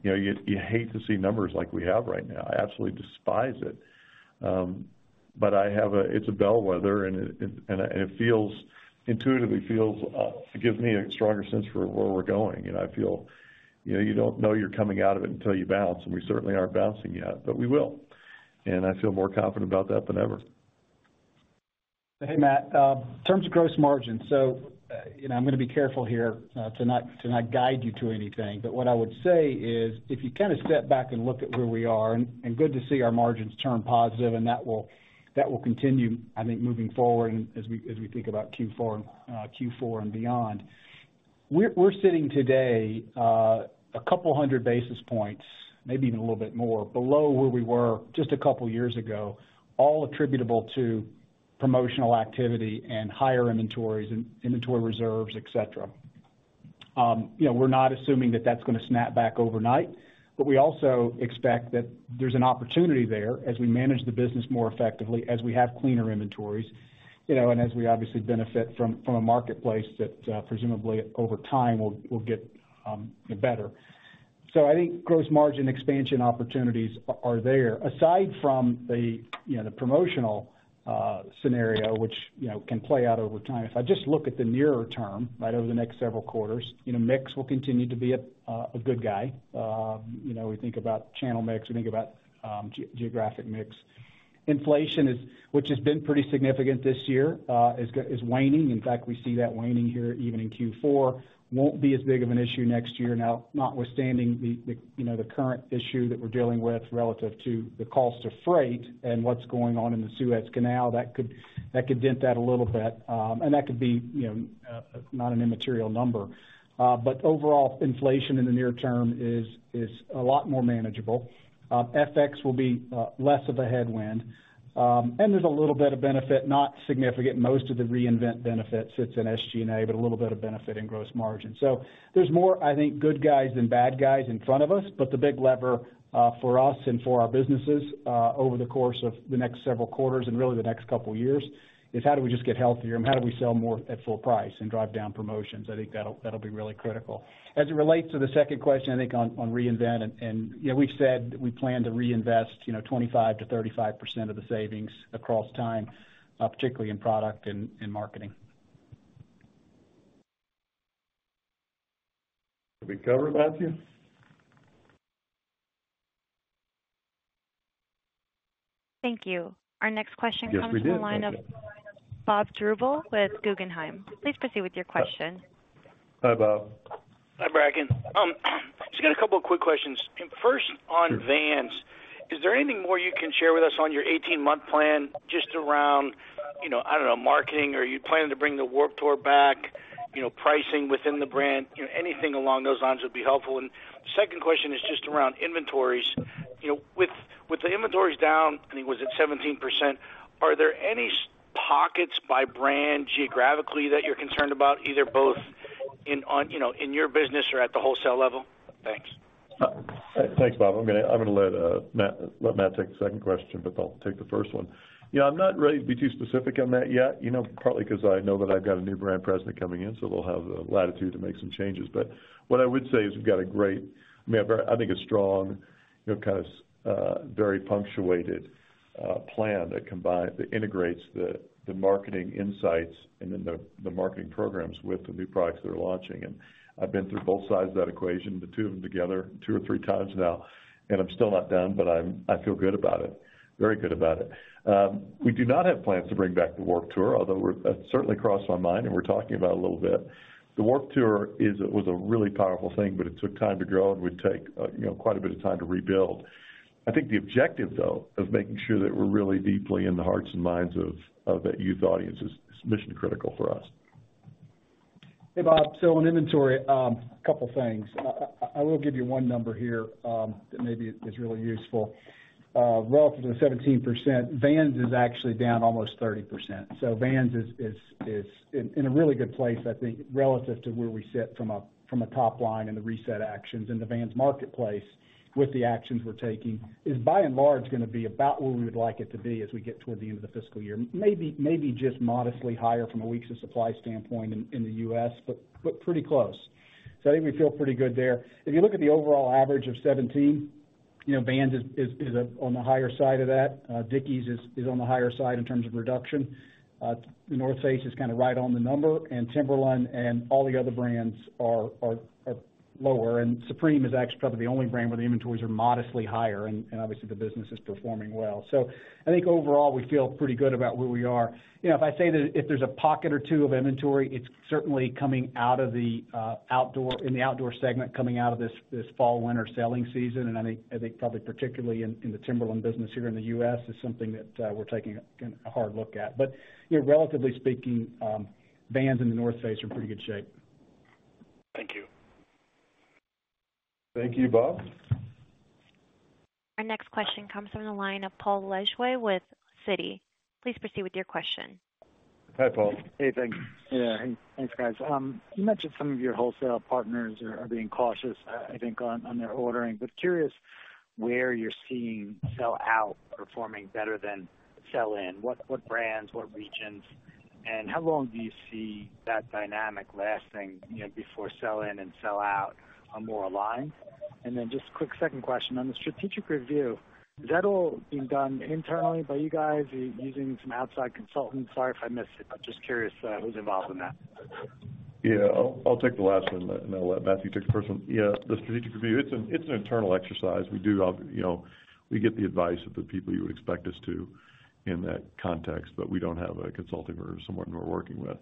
you hate to see numbers like we have right now. I absolutely despise it. But I have, it's a bellwether, and it feels intuitively, it gives me a stronger sense for where we're going, and I feel, you know, you don't know you're coming out of it until you bounce, and we certainly aren't bouncing yet, but we will. I feel more confident about that than ever. Hey, Matt, in terms of gross margin, so, you know, I'm gonna be careful here, to not guide you to anything. But what I would say is, if you kind of step back and look at where we are, and good to see our margins turn positive, and that will continue, I think, moving forward and as we think about Q4, and Q4 and beyond. We're sitting today, a couple hundred basis points, maybe even a little bit more, below where we were just a couple of years ago, all attributable to promotional activity and higher inventories and inventory reserves, et cetera. You know, we're not assuming that that's gonna snap back overnight, but we also expect that there's an opportunity there as we manage the business more effectively, as we have cleaner inventories, you know, and as we obviously benefit from a marketplace that, presumably, over time, will get better. So I think gross margin expansion opportunities are there. Aside from the, you know, the promotional scenario, which, you know, can play out over time, if I just look at the nearer term, right over the next several quarters, you know, mix will continue to be a good guy. You know, we think about channel mix, we think about geographic mix. Inflation, which has been pretty significant this year, is waning. In fact, we see that waning here even in Q4, won't be as big of an issue next year. Now, notwithstanding the you know, the current issue that we're dealing with relative to the cost of freight and what's going on in the Suez Canal, that could dent that a little bit. And that could be, you know, not an immaterial number. But overall, inflation in the near term is a lot more manageable. FX will be less of a headwind. And there's a little bit of benefit, not significant. Most of the Reinvent benefit sits in SG&A, but a little bit of benefit in gross margin. So there's more, I think, good guys than bad guys in front of us, but the big lever for us and for our businesses over the course of the next several quarters and really the next couple of years, is how do we just get healthier and how do we sell more at full price and drive down promotions? I think that'll be really critical. As it relates to the second question, I think on Reinvent and, you know, we've said we plan to reinvest, you know, 25%-35% of the savings across time, particularly in product and marketing. Did we cover it, Matthew? Thank you. Our next question- Yes, we did. comes from the line of Bob Drbul with Guggenheim. Please proceed with your question.... Hi, Bob. Hi, Bracken. Just got a couple of quick questions. First, on Vans, is there anything more you can share with us on your 18-month plan, just around, you know, I don't know, marketing? Are you planning to bring the Warped Tour back, you know, pricing within the brand? You know, anything along those lines would be helpful. Second question is just around inventories. You know, with the inventories down, I think was it 17%, are there any pockets by brand geographically that you're concerned about, either in your business or at the wholesale level? Thanks. Thanks, Bob. I'm gonna let Matt take the second question, but I'll take the first one. Yeah, I'm not ready to be too specific on that yet, you know, partly 'cause I know that I've got a new brand president coming in, so they'll have the latitude to make some changes. But what I would say is we've got a great—I mean, a very, I think, a strong, you know, kind of, very punctuated plan that combines—that integrates the marketing insights and then the marketing programs with the new products that are launching. And I've been through both sides of that equation, the two of them together, two or three times now, and I'm still not done, but I'm—I feel good about it, very good about it. We do not have plans to bring back the Warped Tour, although we're, that certainly crossed my mind, and we're talking about it a little bit. The Warped Tour is a, was a really powerful thing, but it took time to grow and would take, you know, quite a bit of time to rebuild. I think the objective, though, of making sure that we're really deeply in the hearts and minds of, of that youth audience is, is mission critical for us. Hey, Bob. So on inventory, a couple things. I will give you one number here, that maybe is really useful. Relative to the 17%, Vans is actually down almost 30%. So Vans is in a really good place, I think, relative to where we sit from a top line and the reset actions. And the Vans marketplace, with the actions we're taking, is by and large gonna be about where we would like it to be as we get toward the end of the fiscal year. Maybe just modestly higher from a weeks of supply standpoint in the U.S., but pretty close. So I think we feel pretty good there. If you look at the overall average of 17, you know, Vans is on the higher side of that. Dickies is on the higher side in terms of reduction. The North Face is kind of right on the number, and Timberland and all the other brands are lower. And Supreme is actually probably the only brand where the inventories are modestly higher, and obviously, the business is performing well. So I think overall, we feel pretty good about where we are. You know, if I say that if there's a pocket or two of inventory, it's certainly coming out of the outdoor, in the outdoor segment, coming out of this fall/winter selling season. And I think probably particularly in the Timberland business here in the U.S., is something that we're taking a hard look at. But, you know, relatively speaking, Vans and The North Face are in pretty good shape. Thank you. Thank you, Bob. Our next question comes from the line of Paul Lejuez with Citi. Please proceed with your question. Hi, Paul. Hey, thank you. Yeah, thanks, guys. You mentioned some of your wholesale partners are being cautious, I think, on their ordering. But curious where you're seeing sell-out performing better than sell-in. What brands, what regions, and how long do you see that dynamic lasting, you know, before sell-in and sell-out are more aligned? And then just a quick second question on the strategic review. Is that all being done internally by you guys, are you using some outside consultants? Sorry if I missed it. I'm just curious, who's involved in that. Yeah, I'll take the last one, and then I'll let Matthew take the first one. Yeah, the strategic review, it's an internal exercise. You know, we get the advice of the people you would expect us to in that context, but we don't have a consulting or someone we're working with.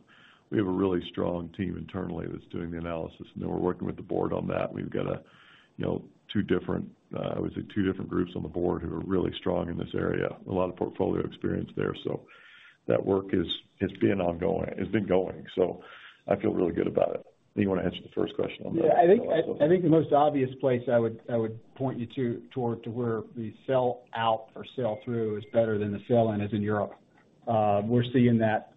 We have a really strong team internally that's doing the analysis, and then we're working with the board on that. We've got, you know, two different, I would say, two different groups on the board who are really strong in this area, a lot of portfolio experience there. So that work is being ongoing. It's been going, so I feel really good about it. Do you want to answer the first question on the- Yeah, I think the most obvious place I would point you toward to where the sell-out or sell-through is better than the sell-in is in Europe. We're seeing that.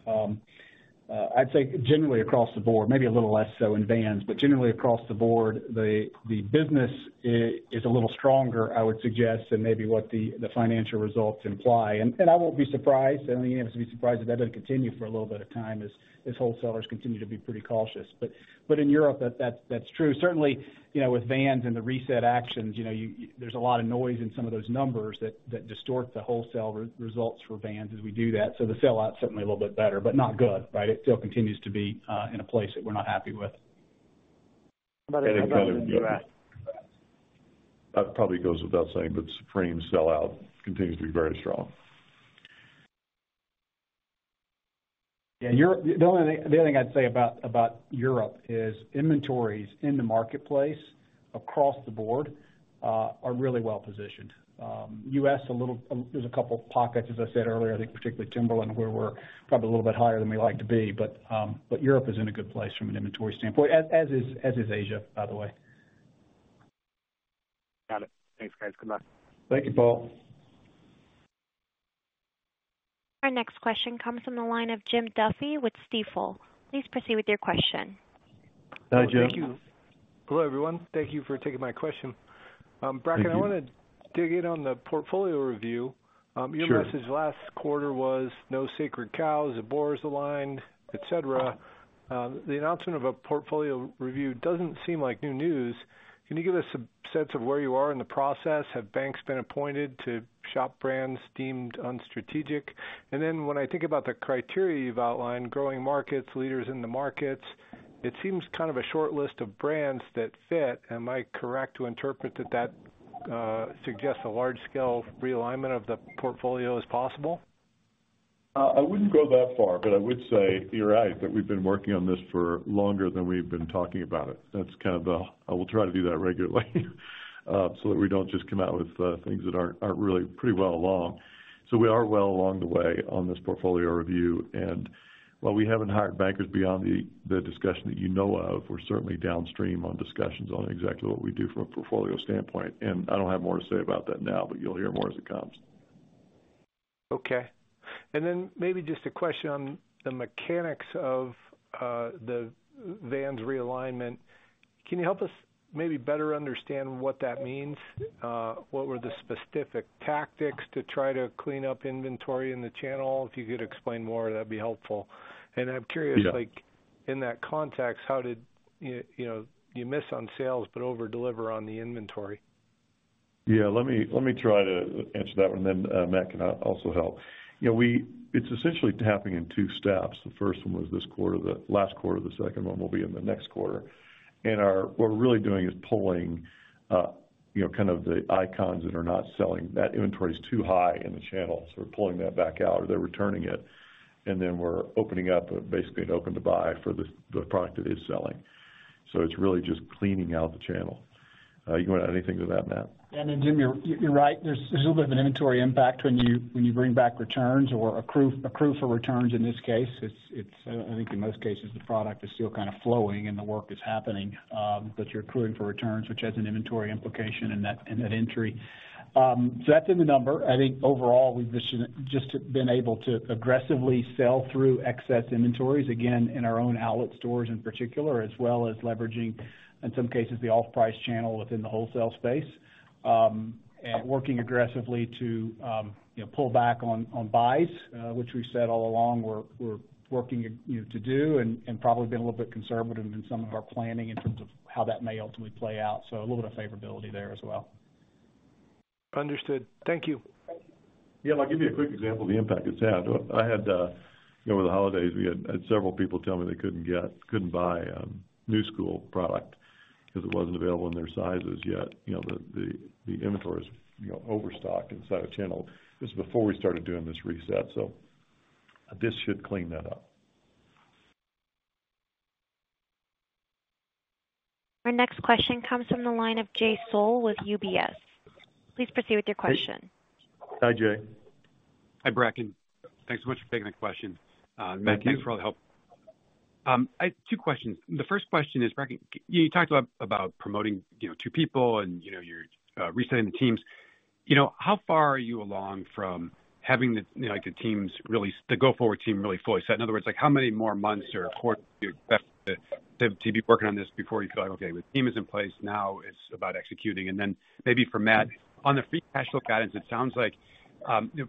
I'd say generally across the board, maybe a little less so in Vans, but generally across the board, the business is a little stronger, I would suggest, than maybe what the financial results imply. I won't be surprised, and you shouldn't be surprised if that doesn't continue for a little bit of time as wholesalers continue to be pretty cautious. But in Europe, that's true. Certainly, you know, with Vans and the reset actions, you know, there's a lot of noise in some of those numbers that distort the wholesale results for Vans as we do that. So the sell-out's certainly a little bit better, but not good, right? It still continues to be in a place that we're not happy with. That probably goes without saying, but Supreme sell-out continues to be very strong. Yeah, Europe... The only other thing I'd say about Europe is inventories in the marketplace across the board are really well positioned. U.S., a little, there's a couple of pockets, as I said earlier, I think particularly Timberland, where we're probably a little bit higher than we like to be. But Europe is in a good place from an inventory standpoint, as is Asia, by the way. Got it. Thanks, guys. Good luck. Thank you, Paul. Our next question comes from the line of Jim Duffy with Stifel. Please proceed with your question. Hi, Jim. Thank you. Hello, everyone. Thank you for taking my question. Thank you. Bracken, I wanna dig in on the portfolio review. Sure. Your message last quarter was, no sacred cows, the board is aligned, et cetera. The announcement of a portfolio review doesn't seem like new news. Can you give us a sense of where you are in the process? Have banks been appointed to shop brands deemed unstrategic? And then when I think about the criteria you've outlined, growing markets, leaders in the markets, it seems kind of a short list of brands that fit. Am I correct to interpret that that, suggests a large-scale realignment of the portfolio is possible?... I wouldn't go that far, but I would say you're right, that we've been working on this for longer than we've been talking about it. That's kind of, I will try to do that regularly, so that we don't just come out with, things that aren't really pretty well along. So we are well along the way on this portfolio review. And while we haven't hired bankers beyond the discussion that you know of, we're certainly downstream on discussions on exactly what we do from a portfolio standpoint. And I don't have more to say about that now, but you'll hear more as it comes. Okay. And then maybe just a question on the mechanics of the Vans realignment. Can you help us maybe better understand what that means? What were the specific tactics to try to clean up inventory in the channel? If you could explain more, that'd be helpful. Yeah. I'm curious, like, in that context, how did you, you know, miss on sales but over-deliver on the inventory? Yeah, let me, let me try to answer that one, and then Matt can also help. You know, we—it's essentially happening in two steps. The first one was this quarter, the last quarter. The second one will be in the next quarter. And our—what we're really doing is pulling, you know, kind of the icons that are not selling. That inventory is too high in the channel, so we're pulling that back out, or they're returning it. And then we're opening up, basically, an open-to-buy for the, the product that is selling. So it's really just cleaning out the channel. You want to add anything to that, Matt? And then, Jim, you're right. There's a little bit of an inventory impact when you bring back returns or accrue for returns in this case. It's, I think in most cases, the product is still kind of flowing and the work is happening, but you're accruing for returns, which has an inventory implication in that entry. So that's in the number. I think overall, we've just been able to aggressively sell-through excess inventories, again, in our own outlet stores in particular, as well as leveraging, in some cases, the off-price channel within the wholesale space. And working aggressively to, you know, pull back on buys, which we've said all along, we're working, you know, to do and probably been a little bit conservative in some of our planning in terms of how that may ultimately play out. So a little bit of favorability there as well. Understood. Thank you. Yeah, and I'll give you a quick example of the impact it's had. I had, you know, over the holidays, we had several people tell me they couldn't buy Knu Skool product because it wasn't available in their sizes yet. You know, the inventory is, you know, overstocked inside the channel. This is before we started doing this reset, so this should clean that up. Our next question comes from the line of Jay Sole with UBS. Please proceed with your question. Hi, Jay. Hi, Bracken. Thanks so much for taking the question. Matt, thanks for all the help. I have two questions. The first question is, Bracken, you talked about, about promoting, you know, two people and, you know, you're resetting the teams. You know, how far are you along from having the, you know, like, the teams really, the go-forward team really fully set? In other words, like, how many more months or quarters do you expect to, to be working on this before you feel like, "Okay, the team is in place. Now it's about executing." And then maybe for Matt, on the free cash flow guidance, it sounds like,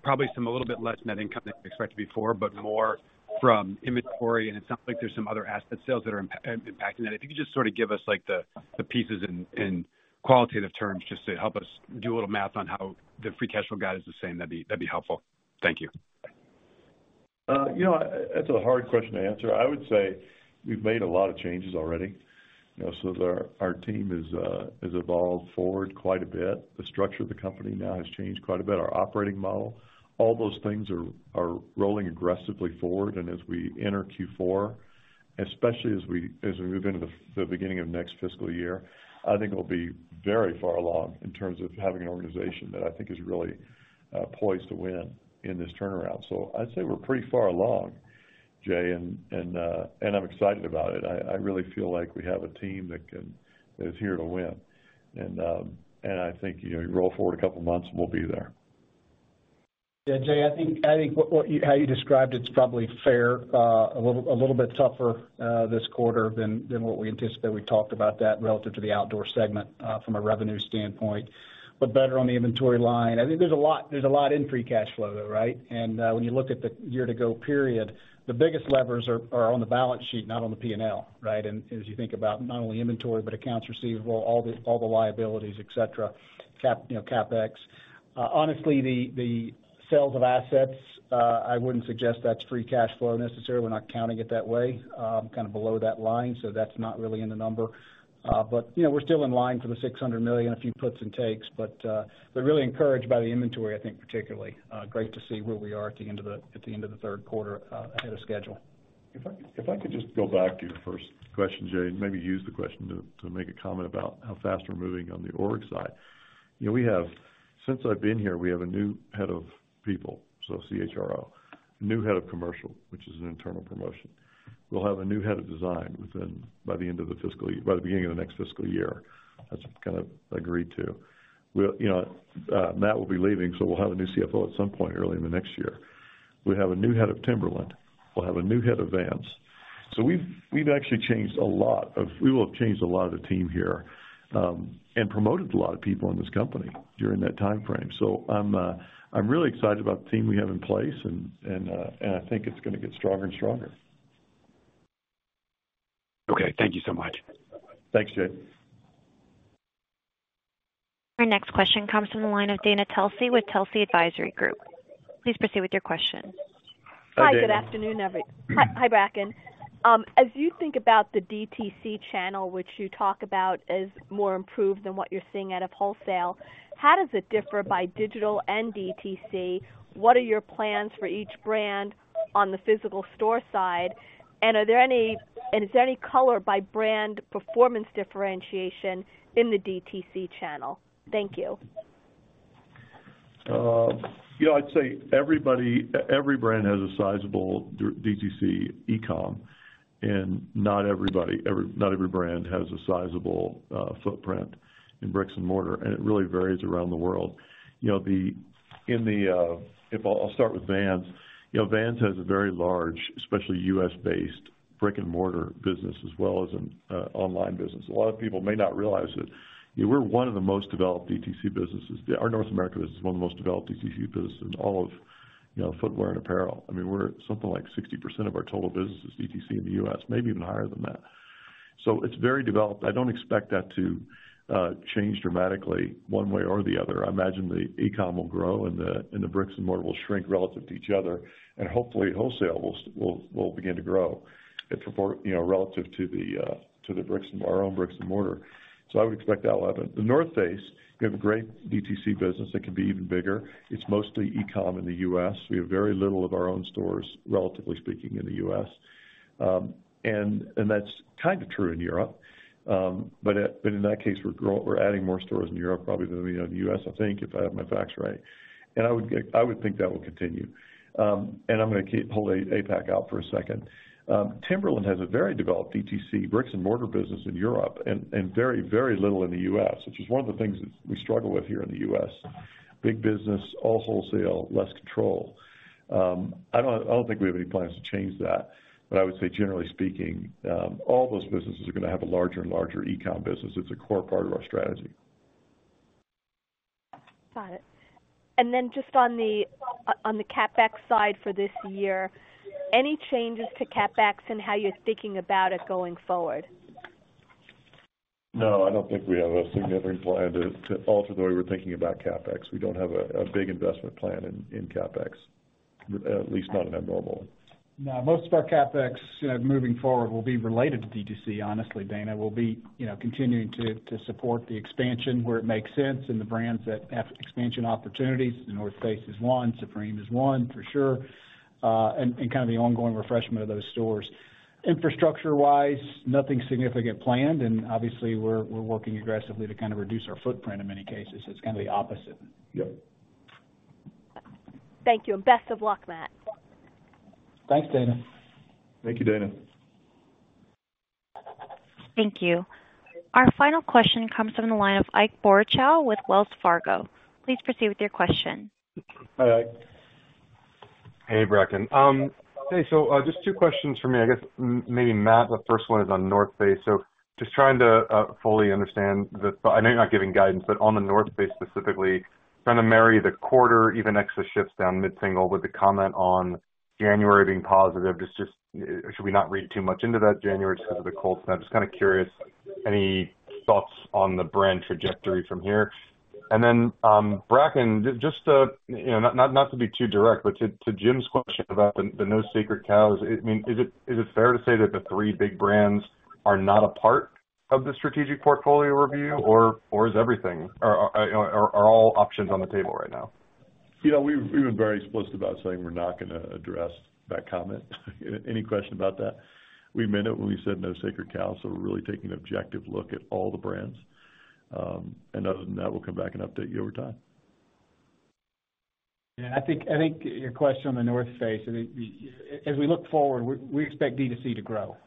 probably some, a little bit less net income than expected before, but more from inventory, and it sounds like there's some other asset sales that are impacting that. If you could just sort of give us, like, the pieces in qualitative terms, just to help us do a little math on how the free cash flow guide is the same, that'd be helpful. Thank you. You know, that's a hard question to answer. I would say we've made a lot of changes already. You know, so our team is has evolved forward quite a bit. The structure of the company now has changed quite a bit. Our operating model, all those things are rolling aggressively forward. And as we enter Q4, especially as we move into the beginning of next fiscal year, I think it'll be very far along in terms of having an organization that I think is really poised to win in this turnaround. So I'd say we're pretty far along, Jay, and I'm excited about it. I really feel like we have a team that is here to win. And I think, you know, you roll forward a couple months, and we'll be there. Yeah, Jay, I think what you-- how you described it is probably fair. A little bit tougher this quarter than what we anticipated. We talked about that relative to the outdoor segment from a revenue standpoint, but better on the inventory line. I think there's a lot in free cash flow, though, right? And when you look at the year to go period, the biggest levers are on the balance sheet, not on the P&L, right? And as you think about not only inventory, but accounts receivable, all the liabilities, et cetera, cap, you know, CapEx. Honestly, the sales of assets, I wouldn't suggest that's free cash flow necessarily. We're not counting it that way. Kind of below that line, so that's not really in the number. But, you know, we're still in line for the $600 million, a few puts and takes, but we're really encouraged by the inventory, I think, particularly. Great to see where we are at the end of the third quarter, ahead of schedule. If I could just go back to your first question, Jay, and maybe use the question to make a comment about how fast we're moving on the org side. You know, since I've been here, we have a new head of people, so CHRO. A new head of commercial, which is an internal promotion. We'll have a new head of design within, by the end of the fiscal year, by the beginning of the next fiscal year. That's kind of agreed to. We'll, you know, Matt will be leaving, so we'll have a new CFO at some point early in the next year. We'll have a new head of Timberland. We'll have a new head of Vans. So we will have changed a lot of the team here, and promoted a lot of people in this company during that timeframe. So I'm really excited about the team we have in place, and I think it's gonna get stronger and stronger. Okay. Thank you so much. Thanks, Jay. Our next question comes from the line of Dana Telsey with Telsey Advisory Group. Please proceed with your question. Hi, Dana. Hi, good afternoon. Hi, Bracken. ... as you think about the DTC channel, which you talk about as more improved than what you're seeing out of wholesale, how does it differ by digital and DTC? What are your plans for each brand on the physical store side? And is there any color by brand performance differentiation in the DTC channel? Thank you. You know, I'd say everybody, every brand has a sizable DTC e-com, and not everybody, every, not every brand has a sizable footprint in brick-and-mortar, and it really varies around the world. You know, I'll start with Vans. You know, Vans has a very large, especially U.S.-based, brick-and-mortar business, as well as an online business. A lot of people may not realize that, you know, we're one of the most developed DTC businesses. Our North America business is one of the most developed DTC businesses in all of, you know, footwear and apparel. I mean, we're at something like 60% of our total business is DTC in the U.S., maybe even higher than that. So it's very developed. I don't expect that to change dramatically one way or the other. I imagine the e-com will grow, and the bricks and mortar will shrink relative to each other, and hopefully, wholesale will begin to grow. It, you know, relative to the bricks and our own bricks and mortar. So I would expect that will happen. The North Face, we have a great DTC business that can be even bigger. It's mostly e-com in the U.S. We have very little of our own stores, relatively speaking, in the U.S. And that's kind of true in Europe. But in that case, we're adding more stores in Europe, probably more than in the U.S., I think, if I have my facts right. And I would think that will continue. And I'm gonna hold APAC out for a second. Timberland has a very developed DTC bricks and mortar business in Europe and very, very little in the U.S., which is one of the things that we struggle with here in the U.S. Big business, all wholesale, less control. I don't think we have any plans to change that, but I would say, generally speaking, all those businesses are going to have a larger and larger e-com business. It's a core part of our strategy. Got it. And then just on the CapEx side for this year, any changes to CapEx and how you're thinking about it going forward? No, I don't think we have a significant plan to alter the way we're thinking about CapEx. We don't have a big investment plan in CapEx, at least not an abnormal one. No, most of our CapEx moving forward will be related to DTC, honestly, Dana. We'll be, you know, continuing to support the expansion where it makes sense and the brands that have expansion opportunities. The North Face is one, Supreme is one, for sure, and kind of the ongoing refreshment of those stores. Infrastructure-wise, nothing significant planned, and obviously we're working aggressively to kind of reduce our footprint in many cases. So it's kind of the opposite. Yep. Thank you, and best of luck, Matt. Thanks, Dana. Thank you, Dana. Thank you. Our final question comes from the line of Ike Boruchow with Wells Fargo. Please proceed with your question. Hi, Ike. Hey, Bracken. Okay, so just two questions for me. I guess maybe, Matt, the first one is on North Face. So just trying to fully understand the... I know you're not giving guidance, but on The North Face, specifically, trying to marry the quarter, even extra shifts down mid-single with the comment on January being positive. Just, just should we not read too much into that January just because of the cold snap? Just kind of curious, any thoughts on the brand trajectory from here? And then, Bracken, just to, you know, not to be too direct, but to Jim's question about the no sacred cows, I mean, is it fair to say that the three big brands are not a part of the strategic portfolio review? Or is everything... or, you know, are all options on the table right now? You know, we've been very explicit about saying we're not gonna address that comment. Any question about that. We meant it when we said no sacred cows, so we're really taking an objective look at all the brands. And other than that, we'll come back and update you over time. Yeah, I think your question on The North Face, I think, as we look forward, we expect D2C to grow.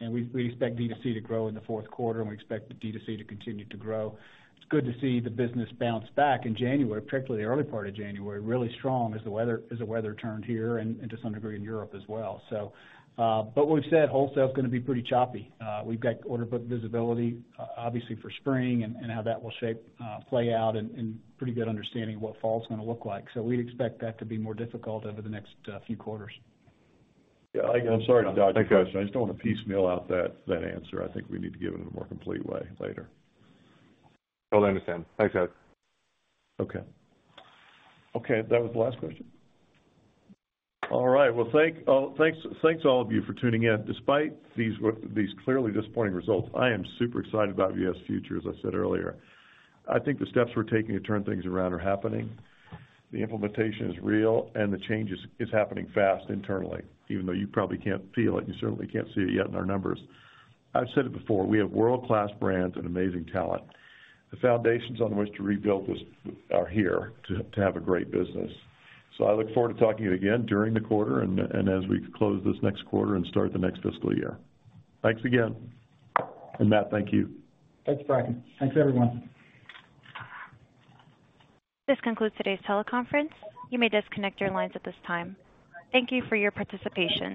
And we expect D2C to grow in the fourth quarter, and we expect the D2C to continue to grow. It's good to see the business bounce back in January, particularly the early part of January, really strong as the weather turned here and to some degree in Europe as well. So, but we've said wholesale is gonna be pretty choppy. We've got order book visibility, obviously for spring and how that will shape, play out and pretty good understanding of what fall's gonna look like. So we'd expect that to be more difficult over the next few quarters. Yeah, Ike, I'm sorry to dodge your question. I just don't want to piecemeal out that answer. I think we need to give it in a more complete way later. Totally understand. Thanks, guys. Okay. Okay, that was the last question? All right. Well, thanks to all of you for tuning in. Despite these clearly disappointing results, I am super excited about VF's future, as I said earlier. I think the steps we're taking to turn things around are happening. The implementation is real, and the change is happening fast internally, even though you probably can't feel it, you certainly can't see it yet in our numbers. I've said it before, we have world-class brands and amazing talent. The foundations on which to rebuild this are here to have a great business. So I look forward to talking to you again during the quarter and as we close this next quarter and start the next fiscal year. Thanks again. And, Matt, thank you. Thanks, Bracken. Thanks, everyone. This concludes today's teleconference. You may disconnect your lines at this time. Thank you for your participation.